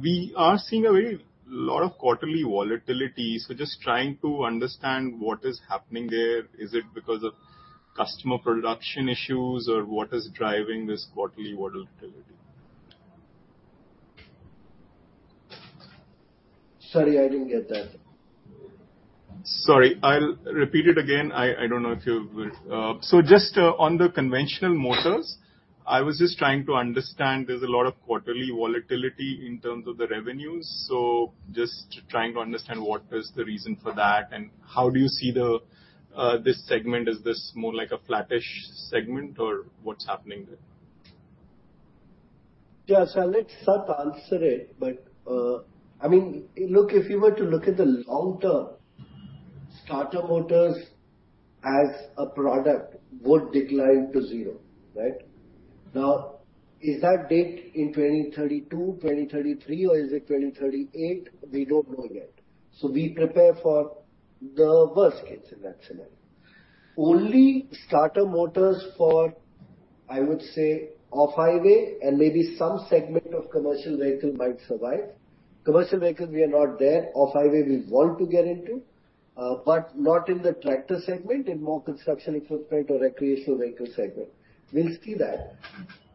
we are seeing a very lot of quarterly volatility. Just trying to understand what is happening there. Is it because of customer production issues, or what is driving this quarterly volatility? Sorry, I didn't get that. Sorry. I'll repeat it again. I don't know if you will... I was just trying to understand, there's a lot of quarterly volatility in terms of the revenues, so just trying to understand what is the reason for that and how do you see the this segment, is this more like a flattish segment or what's happening there? Yes, I'll let Sat answer it. I mean, look, if you were to look at the long term, starter motors as a product would decline to 0, right? Now, is that date in 2032, 2033, or is it 2038? We don't know yet. We prepare for the worst case in that scenario. Only starter motors for, I would say, off-highway and maybe some segment of commercial vehicle might survive. Commercial vehicle, we are not there. Off-highway, we want to get into, but not in the tractor segment, in more construction equipment or recreational vehicle segment. We'll see that.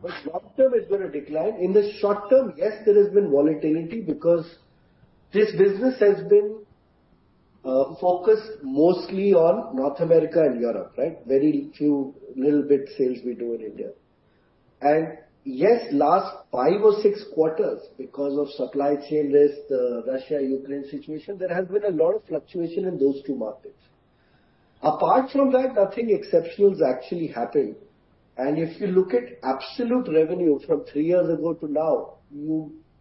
Long term, it's going to decline. In the short term, yes, there has been volatility because this business has been focused mostly on North America and Europe, right? Very few, little bit sales we do in India. Yes, last five or six quarters, because of supply chain risk, the Russia-Ukraine situation, there has been a lot of fluctuation in those two markets. Apart from that, nothing exceptional has actually happened. If you look at absolute revenue from three years ago to now,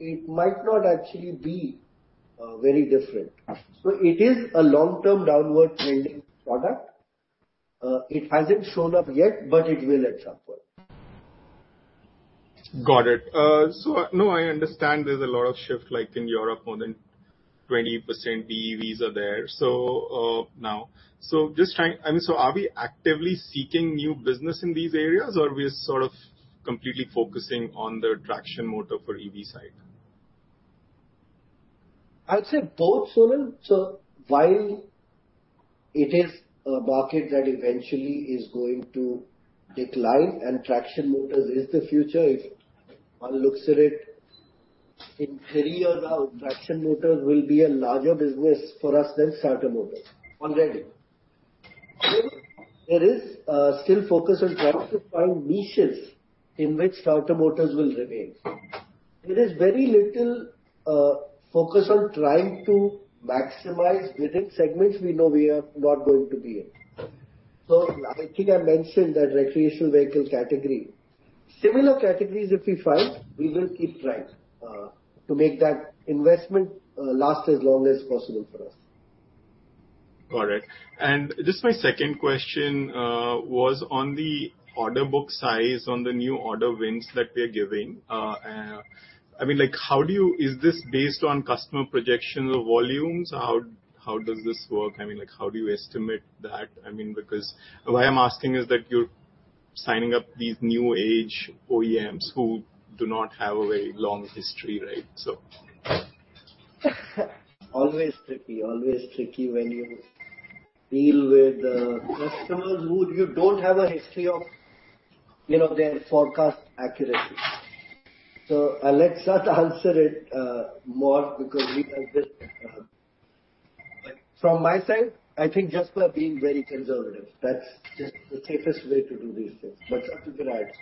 it might not actually be very different. It is a long-term downward trending product. It hasn't shown up yet, but it will at some point. Got it. I understand there's a lot of shift, like in Europe, more than 20% BEVs are there. I mean, are we actively seeking new business in these areas, or we are sort of completely focusing on the traction motor for EV side? I'd say both, Sanal. While it is a market that eventually is going to decline and traction motors is the future, if one looks at it, in 3 years out, traction motors will be a larger business for us than starter motors, already. There is still focus on trying to find niches in which starter motors will remain. There is very little focus on trying to maximize within segments we know we are not going to be in. I think I mentioned that recreational vehicle category. Similar categories, if we find, we will keep trying to make that investment last as long as possible for us. Got it. Just my second question, was on the order book size, on the new order wins that we are giving. I mean, like, is this based on customer projections or volumes? How does this work? I mean, like, how do you estimate that? I mean, because why I'm asking is that you're signing up these new-age OEMs who do not have a very long history, right? Always tricky. Always tricky when you deal with, customers who you don't have a history of, you know, their forecast accuracy. I'll let Sat answer it, more, because we are good. From my side, I think just we are being very conservative. That's just the safest way to do these things. Sat, you can add.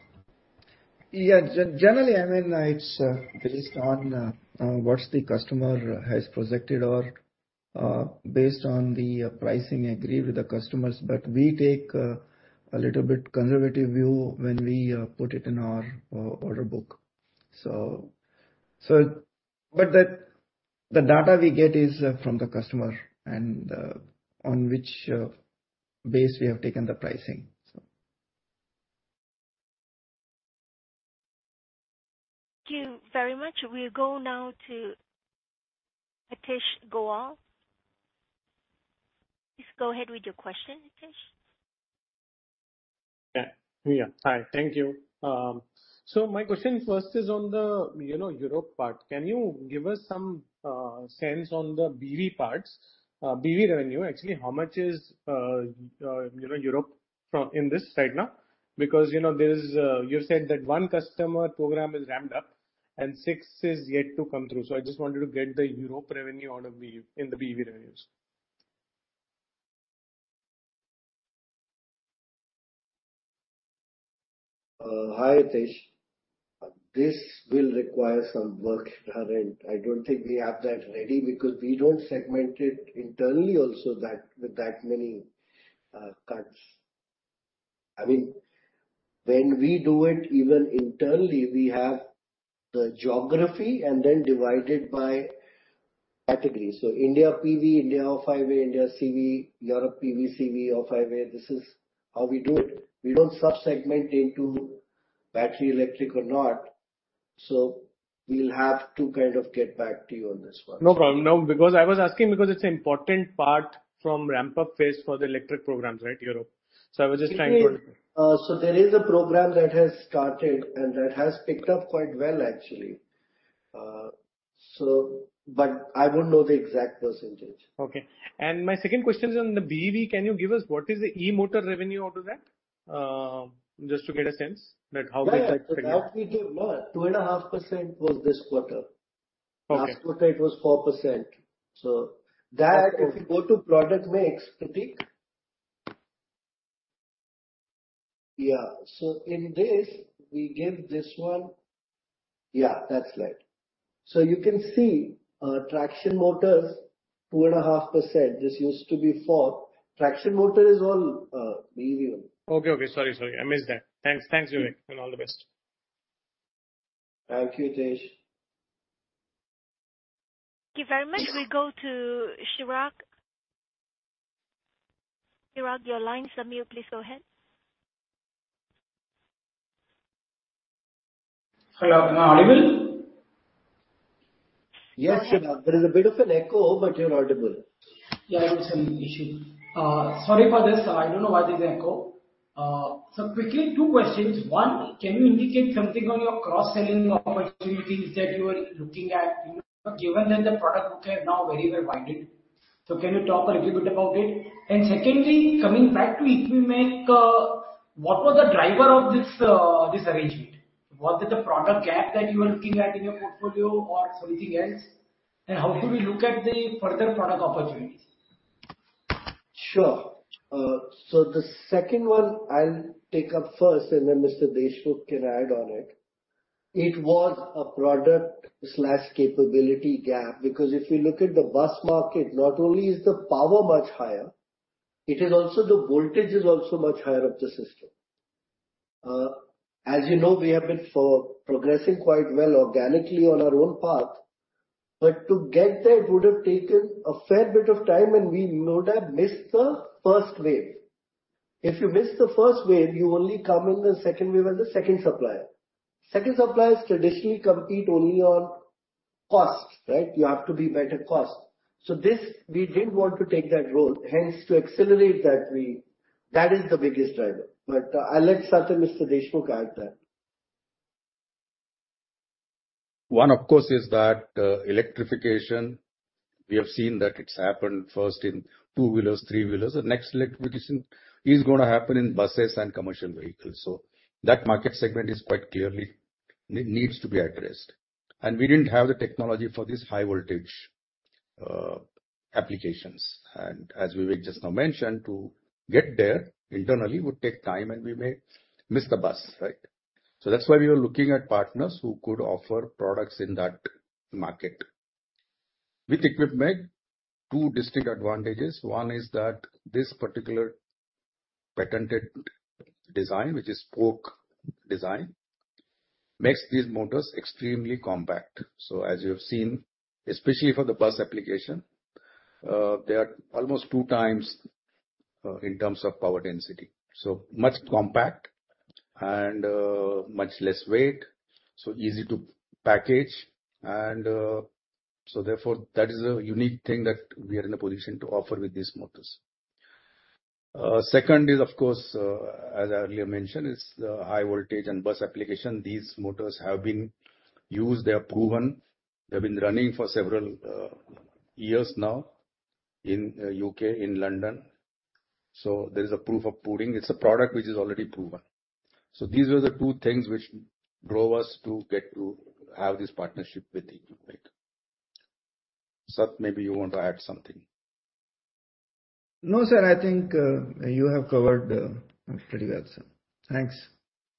Yeah. Generally, I mean, it's based on what's the customer has projected or based on the pricing agreed with the customers. We take a little bit conservative view when we put it in our order book. The data we get is from the customer, and on which base we have taken the pricing. Thank you very much. We'll go now to Hitesh Goel. Please go ahead with your question, Hitesh. Yeah. Hi, thank you. My question first is on the, you know, Europe part. Can you give us some sense on the BEV parts, BEV revenue? Actually, how much is, you know, Europe from, in this right now? You know, there is, you said that one customer program is ramped up and six is yet to come through. I just wanted to get the Europe revenue out of BEV, in the BEV revenues. Hi, Hitesh. This will require some work on our end. I don't think we have that ready because we don't segment it internally also that, with that many cuts. I mean, when we do it, even internally, we have the geography and then divide it by category. India PV, India off-highway, India CV, Europe PV, CV, off-highway, this is how we do it. We don't sub-segment into battery, electric or not, we'll have to kind of get back to you on this one. No problem. No, because I was asking because it's an important part from ramp-up phase for the electric programs, right, Europe? I was just trying to- There is a program that has started and that has picked up quite well, actually. I wouldn't know the exact percentage. Okay. My second question is on the BEV. Can you give us what is the e-motor revenue out of that? Just to get a sense that how we can. Yeah. That we give more. 2.5% was this quarter. Last quarter it was 4%. That, if you go to product mix, Pratik. Yeah, in this, we give this one. Yeah, that's right. You can see, traction motors 2.5%. This used to be 4. Traction motor is all medium. Okay. Sorry, I missed that. Thanks. Thanks, Vivek, and all the best. Thank you, Tej. Thank you very much. We go to Chirag. Chirag, your line is unmute. Please go ahead. Hello, am I audible? Yes, Chirag. There is a bit of an echo, but you're audible. Yeah, I have some issue. Sorry about this. I don't know why there's echo. Quickly, two questions. One, can you indicate something on your cross-selling opportunities that you are looking at, you know, given that the product book are now very well widened? Can you talk a little bit about it? Secondly, coming back to Equipmake, what was the driver of this arrangement? Was it a product gap that you were looking at in your portfolio or something else? How do we look at the further product opportunities? Sure. The second one I'll take up first, and then Mr. Deshmukh can add on it. It was a product/capability gap, because if you look at the bus market, not only is the power much higher, it is also the voltage is also much higher of the system. As you know, we have been progressing quite well organically on our own path, but to get there, it would have taken a fair bit of time, and we would have missed the first wave. If you miss the first wave, you only come in the second wave as a second supplier. Second suppliers traditionally compete only on costs, right? You have to be better cost. This, we didn't want to take that role. Hence, to accelerate that. That is the biggest driver. I'll let Sat and Mr. Deshmukh add that. One, of course, is that electrification, we have seen that it's happened first in two-wheelers, three-wheelers, the next electrification is gonna happen in buses and commercial vehicles. That market segment is quite clearly, needs to be addressed. We didn't have the technology for this high-voltage applications. As Vivek just now mentioned, to get there internally would take time and we may miss the bus, right? That's why we were looking at partners who could offer products in that market. With Equipmake, two distinct advantages. One is that this particular patented design, which is spoke design, makes these motors extremely compact. As you have seen, especially for the bus application, they are almost two times in terms of power density. Much compact and much less weight, so easy to package, and so therefore, that is a unique thing that we are in a position to offer with these motors. Second is, of course, as I earlier mentioned, is the high-voltage and bus application. These motors have been used, they have proven, they've been running for several years now in UK, in London, so there is a proof of pudding. It's a product which is already proven. These are the 2 things which drove us to get to have this partnership with Equipmake. Sat, maybe you want to add something? No, sir, I think, you have covered, pretty well, sir. Thanks.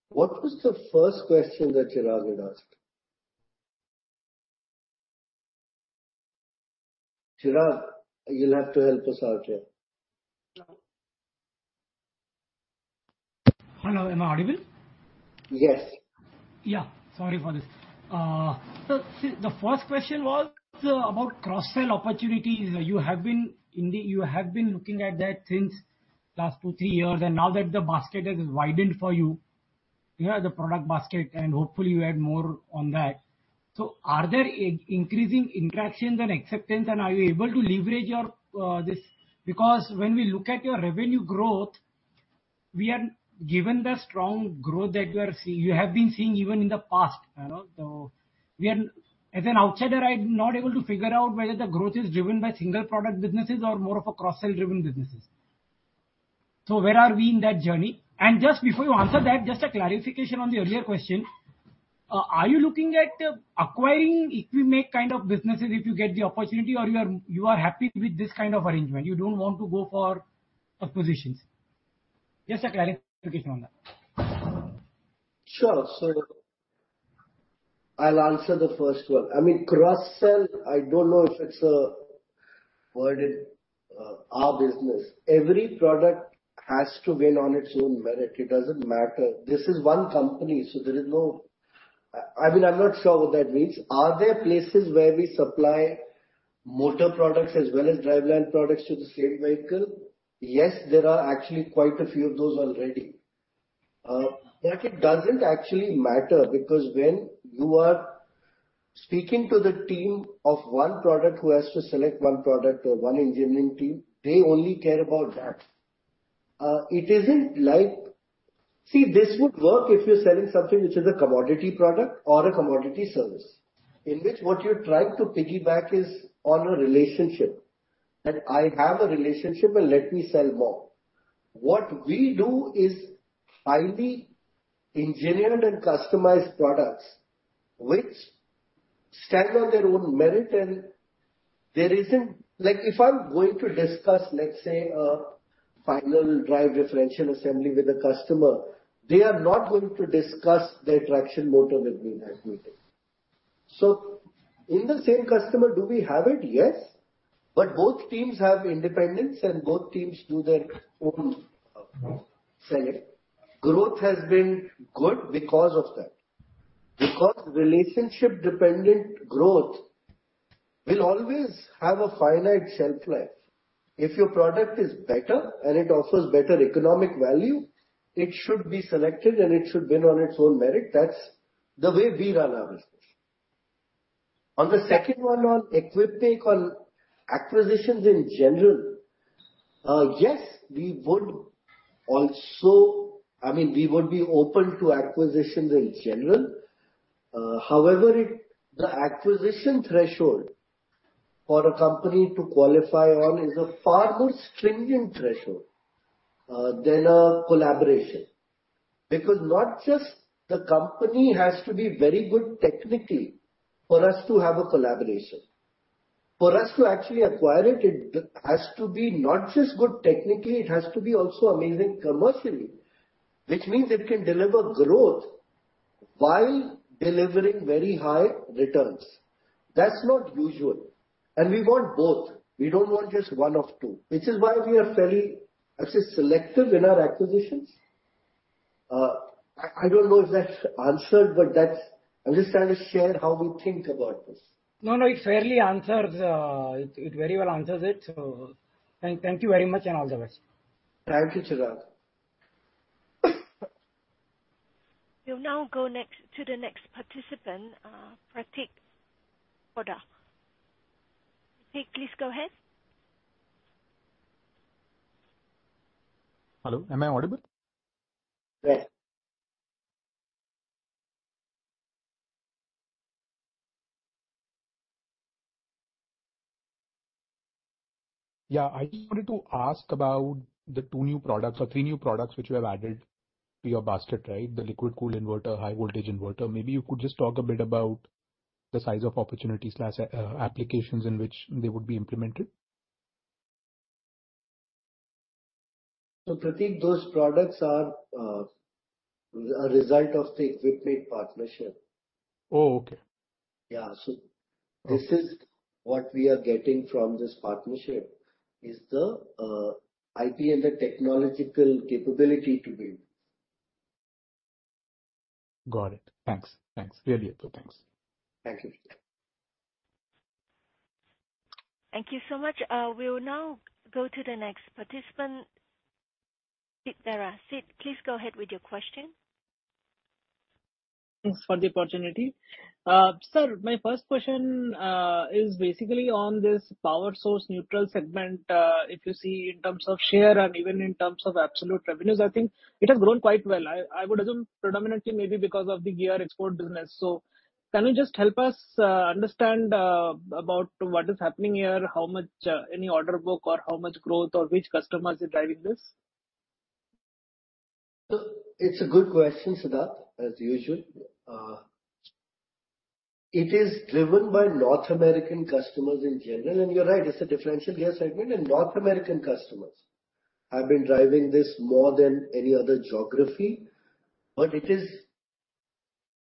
What was the first question that Chirag had asked? Chirag, you'll have to help us out here. Hello, am I audible? Yes. Yeah, sorry for this. The first question was about cross-sell opportunities. You have been looking at that since last two, three years, and now that the basket has widened for you have the product basket, and hopefully you add more on that. Are there increasing interactions and acceptance, and are you able to leverage your this? When we look at your revenue growth, we are, given the strong growth that you have been seeing even in the past, you know, we are, as an outsider, I'm not able to figure out whether the growth is driven by single product businesses or more of a cross-sell driven businesses. Where are we in that journey? Just before you answer that, just a clarification on the earlier question. Are you looking at acquiring Equipmake kind of businesses if you get the opportunity or you are happy with this kind of arrangement, you don't want to go for acquisitions? Just a clarification on that. Sure. I'll answer the first one. I mean, cross-sell, I don't know if it's a word in our business. Every product has to win on its own merit. It doesn't matter. This is one company, so there is no... I mean, I'm not sure what that means. Are there places where we supply motor products as well as driveline products to the same vehicle? Yes, there are actually quite a few of those already. It doesn't actually matter, because when you are speaking to the team of one product, who has to select one product or one engineering team, they only care about that. It isn't like... See, this would work if you're selling something which is a commodity product or a commodity service, in which what you're trying to piggyback is on a relationship. That I have a relationship, let me sell more. What we do is highly engineered and customized products which stand on their own merit, there isn't like, if I'm going to discuss, let's say, a final drive differential assembly with a customer, they are not going to discuss the traction motor with me in that meeting. In the same customer, do we have it? Yes, but both teams have independence, both teams do their own selling. Growth has been good because of that. Because relationship-dependent growth will always have a finite shelf life. If your product is better and it offers better economic value, it should be selected, and it should win on its own merit. That's the way we run our business. On the second one, on Equipmake, on acquisitions in general, yes, we would also... I mean, we would be open to acquisitions in general. However, the acquisition threshold for a company to qualify on is a far more stringent threshold than a collaboration. Because not just the company has to be very good technically for us to have a collaboration. For us to actually acquire it has to be not just good technically, it has to be also amazing commercially, which means it can deliver growth while delivering very high returns. That's not usual. We want both. We don't want just one of two, which is why we are fairly, I'd say, selective in our acquisitions. I don't know if that's answered, but that's. I just kind of shared how we think about this. No, no, it fairly answers, it very well answers it. Thank you very much, and all the best. Thank you, Sidharth. We'll now go next, to the next participant, Pratik Kothari. Pratik, please go ahead. Hello, am I audible? Yes. Yeah. I just wanted to ask about the two new products or three new products which you have added to your basket, right? The liquid-cooled inverter, high-voltage inverter. Maybe you could just talk a bit about the size of opportunity, applications in which they would be implemented. Pratik, those products are a result of the Equipmake partnership. Oh, okay. Yeah. This is what we are getting from this partnership, is the IP and the technological capability to build. Got it. Thanks. Thanks. Very helpful. Thanks. Thank you. Thank you so much. We'll now go to the next participant, Sidharth S, please go ahead with your question. Thanks for the opportunity. Sir, my first question, is basically on this power source neutral segment. If you see in terms of share and even in terms of absolute revenues, I think it has grown quite well. I would assume predominantly maybe because of the gear export business. Can you just help us understand about what is happening here, how much any order book or how much growth or which customers are driving this? It's a good question, Sidharth, as usual. It is driven by North American customers in general, and you're right, it's a differential gear segment, and North American customers have been driving this more than any other geography. It is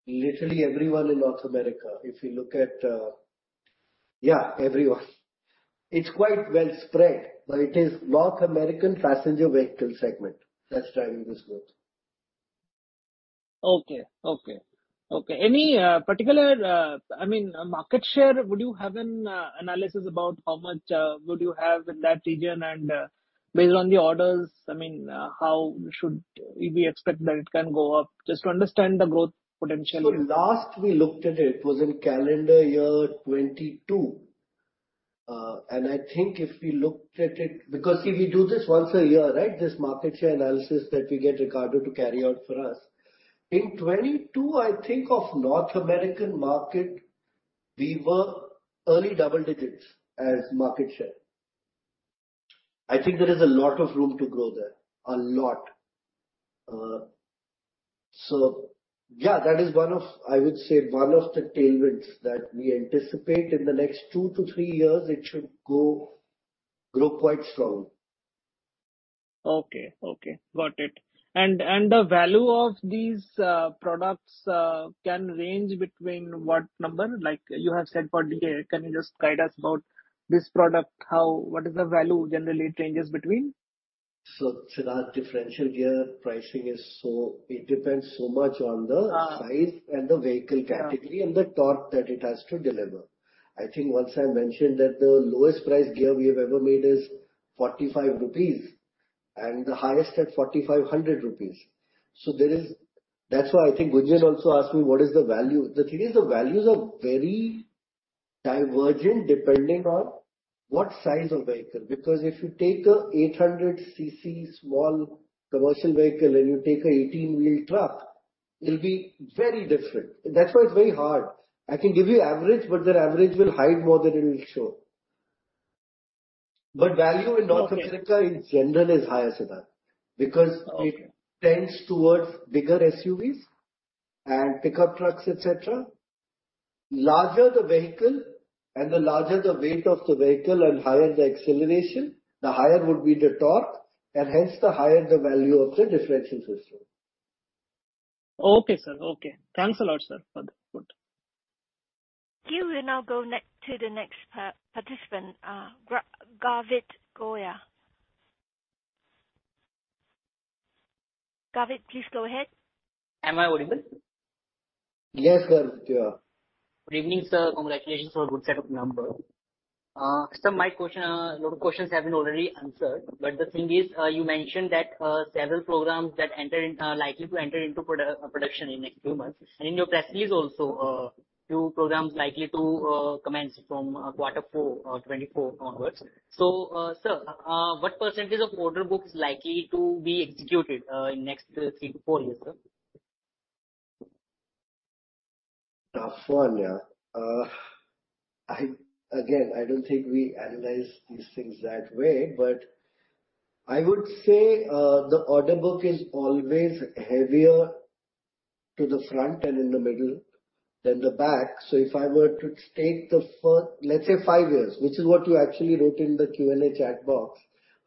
literally everyone in North America. If you look at. Yeah, everyone. It's quite well spread, It is North American passenger vehicle segment that's driving this growth. Okay. Okay. Okay. Any, particular, I mean, market share, would you have an analysis about how much would you have in that region? Based on the orders, I mean, how should we expect that it can go up? Just to understand the growth potential. Last we looked at it was in calendar year 2022. I think if we looked at it... Because, see, we do this once a year, right? This market share analysis that we get Ricardo to carry out for us. In 2022, I think of North American market, we were early double digits as market share. I think there is a lot of room to grow there, a lot. Yeah, that is one of, I would say, one of the tailwinds that we anticipate in the next 2-3 years, it should grow quite strong. Okay. Okay, got it. The value of these products can range between what number? Can you just guide us about this product, how, what is the value generally it ranges between? Sidharth, differential gear pricing is it depends so much on the- Uh. size and the vehicle category. Yeah. The torque that it has to deliver. I think once I mentioned that the lowest price gear we have ever made is 45 rupees and the highest at 4,500 rupees. That's why I think Gujin also asked me what is the value? The thing is, the values are very divergent depending on what size of vehicle. If you take an 800 cc small commercial vehicle and you take an 18-wheel truck, it'll be very different. That's why it's very hard. I can give you average, but the average will hide more than it will show. Value in North America in general is higher, Sidharth, because. Okay. It tends towards bigger SUVs and pickup trucks, et cetera. Larger the vehicle and the larger the weight of the vehicle and higher the acceleration, the higher would be the torque, and hence the higher the value of the differential system. Okay, sir. Okay. Thanks a lot, sir, for the good. We will now go next, to the next participant, Garvit Goyal. Garvit, please go ahead. Am I audible? Yes, Garvit, you are. Good evening, sir. Congratulations on a good set of numbers. My question, lot of questions have been already answered, but the thing is, you mentioned that several programs that entered in, are likely to enter into production in the next few months. In your press release also, two programs likely to commence from quarter four 2024 onwards. Sir, what percentage of order book is likely to be executed in next 3-4 years, sir? Tough one, yeah. Again, I don't think we analyze these things that way, but I would say, the order book is always heavier to the front and in the middle than the back. If I were to state the first, let's say, 5 years, which is what you actually wrote in the Q&A chat box,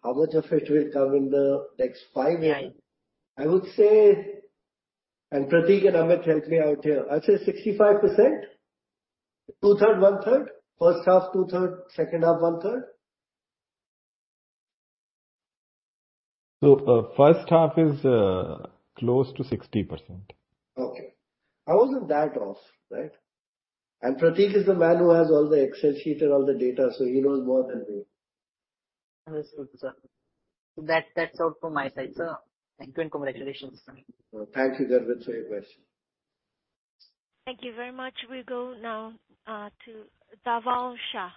how much of it will come in the next 5 years? Yeah. I would say, and Prateek and Amit, help me out here. I'd say 65%. 2/3, 1/3. First half, 2/3, second half, 1/3. first half is close to 60%. Okay. I wasn't that off, right? Prateek is the man who has all the Excel sheet and all the data, so he knows more than me. Understood, sir. That's all from my side, sir. Thank you, and congratulations. Thank you, Garvit, for your question. Thank you very much. We go now, to Dhaval Shah.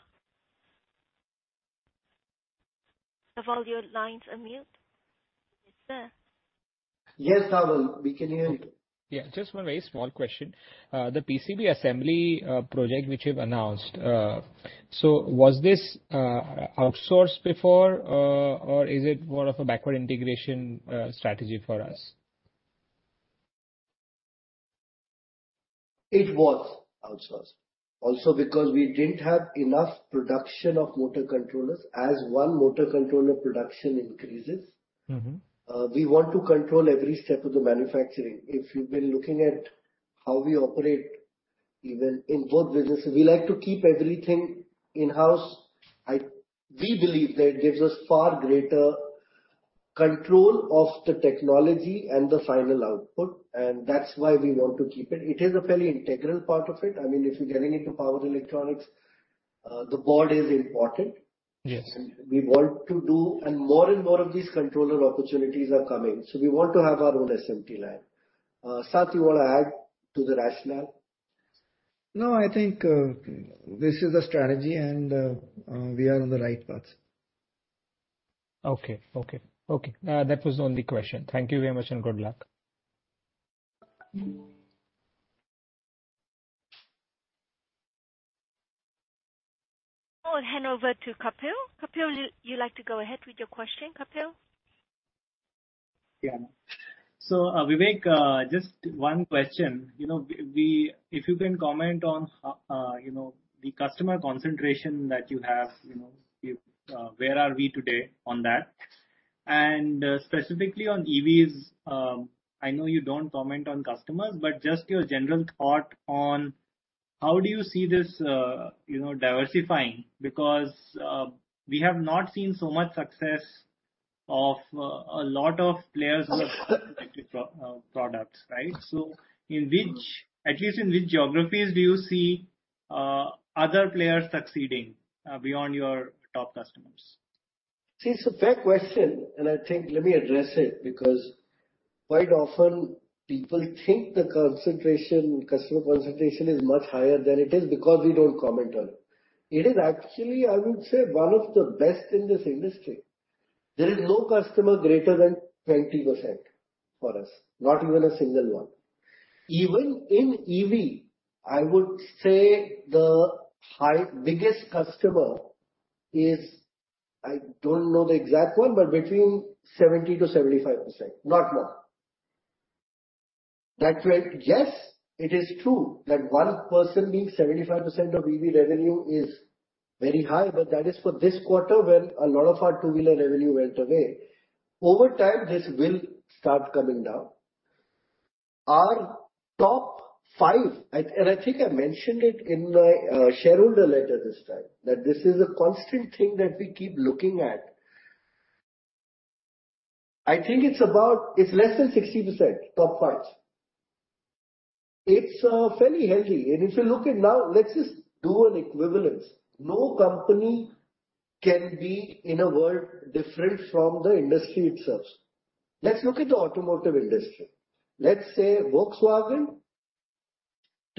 Dhaval, your lines are mute, sir. Yes, Dhaval, we can hear you. Yeah, just one very small question. The PCB assembly project, which you've announced, was this outsourced before or is it more of a backward integration strategy for us? It was outsourced. Also because we didn't have enough production of motor controllers. As one motor controller production increases- Mm-hmm. We want to control every step of the manufacturing. If you've been looking at how we operate, even in both businesses, we like to keep everything in-house. We believe that it gives us far greater control of the technology and the final output, and that's why we want to keep it. It is a fairly integral part of it. I mean, if you're getting into power electronics, the board is important. Yes. More and more of these controller opportunities are coming, so we want to have our own SMT line. Sat, you want to add to the rationale? No, I think, this is a strategy, and, we are on the right path. Okay. Okay. Okay, that was the only question. Thank you very much, and good luck. I'll hand over to Kapil. Kapil, would you like to go ahead with your question, Kapil? Yeah. Vivek, just one question. You know, if you can comment on, you know, the customer concentration that you have, you know, if, where are we today on that? Specifically on EVs, I know you don't comment on customers, but just your general thought on how do you see this, you know, diversifying? We have not seen so much success of a lot of players with electric products, right? In which, at least in which geographies do you see other players succeeding beyond your top customers? See, it's a fair question, and I think let me address it, because quite often people think the concentration, customer concentration is much higher than it is because we don't comment on it. It is actually, I would say, one of the best in this industry. There is no customer greater than 20% for us, not even a single one. Even in EV, I would say the high, biggest customer is, I don't know the exact one, but between 70%-75%, not more. That's right. Yes, it is true that one person being 75% of EV revenue is very high, but that is for this quarter, when a lot of our two-wheeler revenue went away. Over time, this will start coming down. Our top 5, and I think I mentioned it in my shareholder letter this time, that this is a constant thing that we keep looking at. I think it's about, it's less than 60%, top 5. It's fairly healthy. If you look at now, let's just do an equivalence. No company can be, in a world, different from the industry itself. Let's look at the automotive industry. Let's say Volkswagen,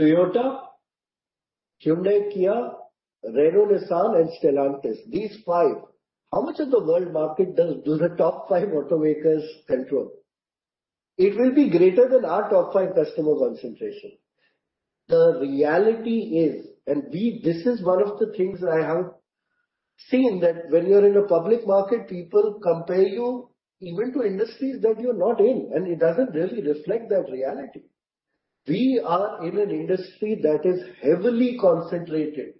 Toyota, Hyundai, Kia, Renault, Nissan, and Stellantis. These 5. How much of the world market do the top 5 automakers control? It will be greater than our top 5 customer concentration. The reality is, and this is one of the things that I have seen, that when you're in a public market, people compare you even to industries that you're not in, and it doesn't really reflect that reality. We are in an industry that is heavily concentrated.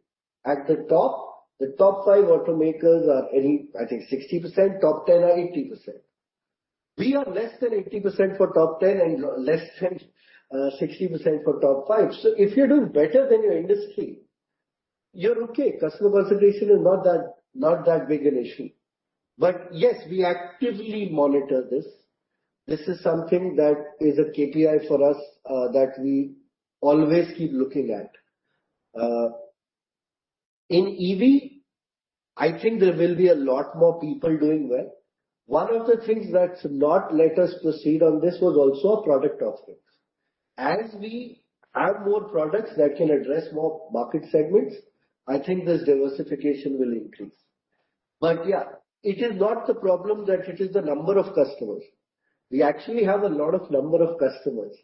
At the top, the top five automakers are any, I think 60%, top ten are 80%. We are less than 80% for top ten and less than 60% for top five. If you're doing better than your industry, you're okay. Customer concentration is not that, not that big an issue. Yes, we actively monitor this. This is something that is a KPI for us that we always keep looking at. In EV, I think there will be a lot more people doing well. One of the things that's not let us proceed on this was also a product of things. As we add more products that can address more market segments, I think this diversification will increase. Yeah, it is not the problem that it is the number of customers. We actually have a lot of number of customers.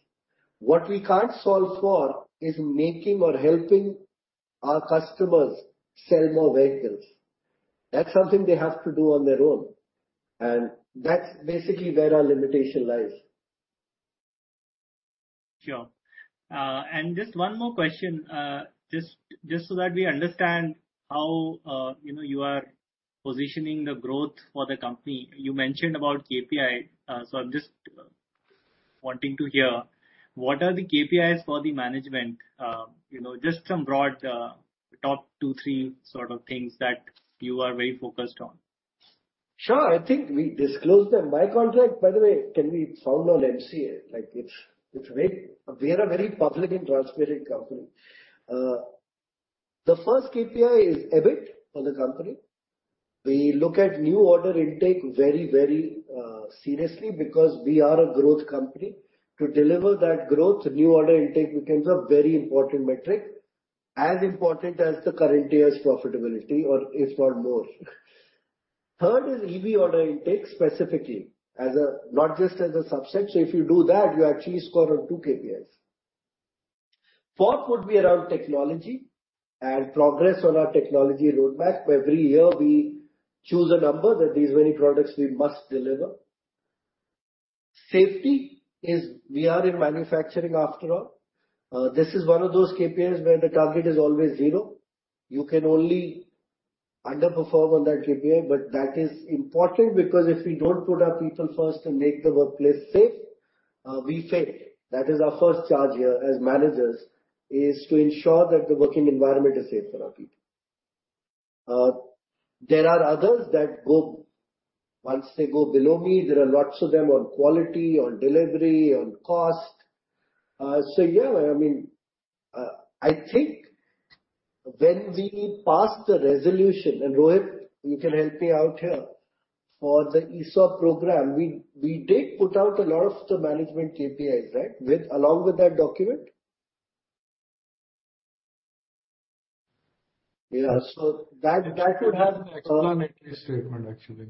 What we can't solve for is making or helping our customers sell more vehicles. That's something they have to do on their own. That's basically where our limitation lies. Sure. Just one more question, just so that we understand how, you know, you are positioning the growth for the company. You mentioned about KPI, so I'm just wanting to hear, what are the KPIs for the management? you know, just some broad, top two, three sort of things that you are very focused on. Sure. I think we disclosed them. My contract, by the way, can be found on MCA. We are a very public and transparent company. The first KPI is EBIT for the company. We look at new order intake very seriously because we are a growth company. To deliver that growth, new order intake becomes a very important metric, as important as the current year's profitability or if not more. Third is EV order intake, specifically not just as a subset. If you do that, you actually score on two KPIs. Fourth would be around technology and progress on our technology roadmap. Every year we choose a number that these many products we must deliver. Safety is, we are in manufacturing after all. This is one of those KPIs where the target is always zero. You can only underperform on that KPI. That is important because if we don't put our people first and make the workplace safe, we fail. That is our first charge here as managers, is to ensure that the working environment is safe for our people. There are others that go, once they go below me, there are lots of them on quality, on delivery, on cost. Yeah, I mean, I think when we passed the resolution, and, Rohit, you can help me out here, for the ESOP program, we did put out a lot of the management KPIs, right, with, along with that document? Yeah, so that should have. Explanation statement, actually.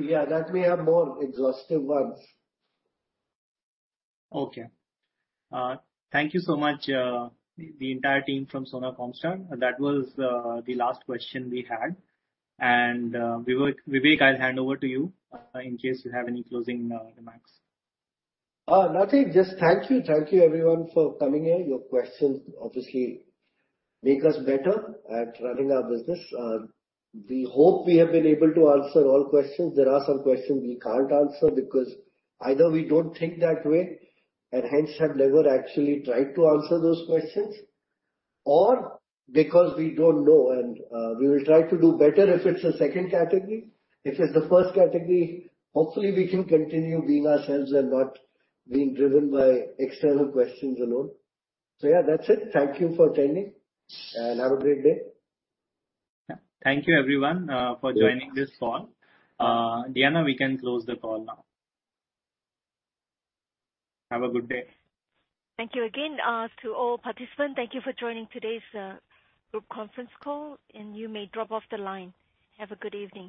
Yeah, that we have more exhaustive ones. Okay. Thank you so much, the entire team from Sona Comstar. That was the last question we had. Vivek, I'll hand over to you in case you have any closing remarks. Nothing. Just thank you. Thank you, everyone, for coming here. Your questions obviously make us better at running our business. We hope we have been able to answer all questions. There are some questions we can't answer because either we don't think that way, and hence have never actually tried to answer those questions, or because we don't know and we will try to do better if it's a second category. If it's the first category, hopefully we can continue being ourselves and not being driven by external questions alone. Yeah, that's it. Thank you for attending, and have a great day. Thank you, everyone, for joining this call. Diana, we can close the call now. Have a good day. Thank you again, to all participants. Thank you for joining today's group conference call. You may drop off the line. Have a good evening.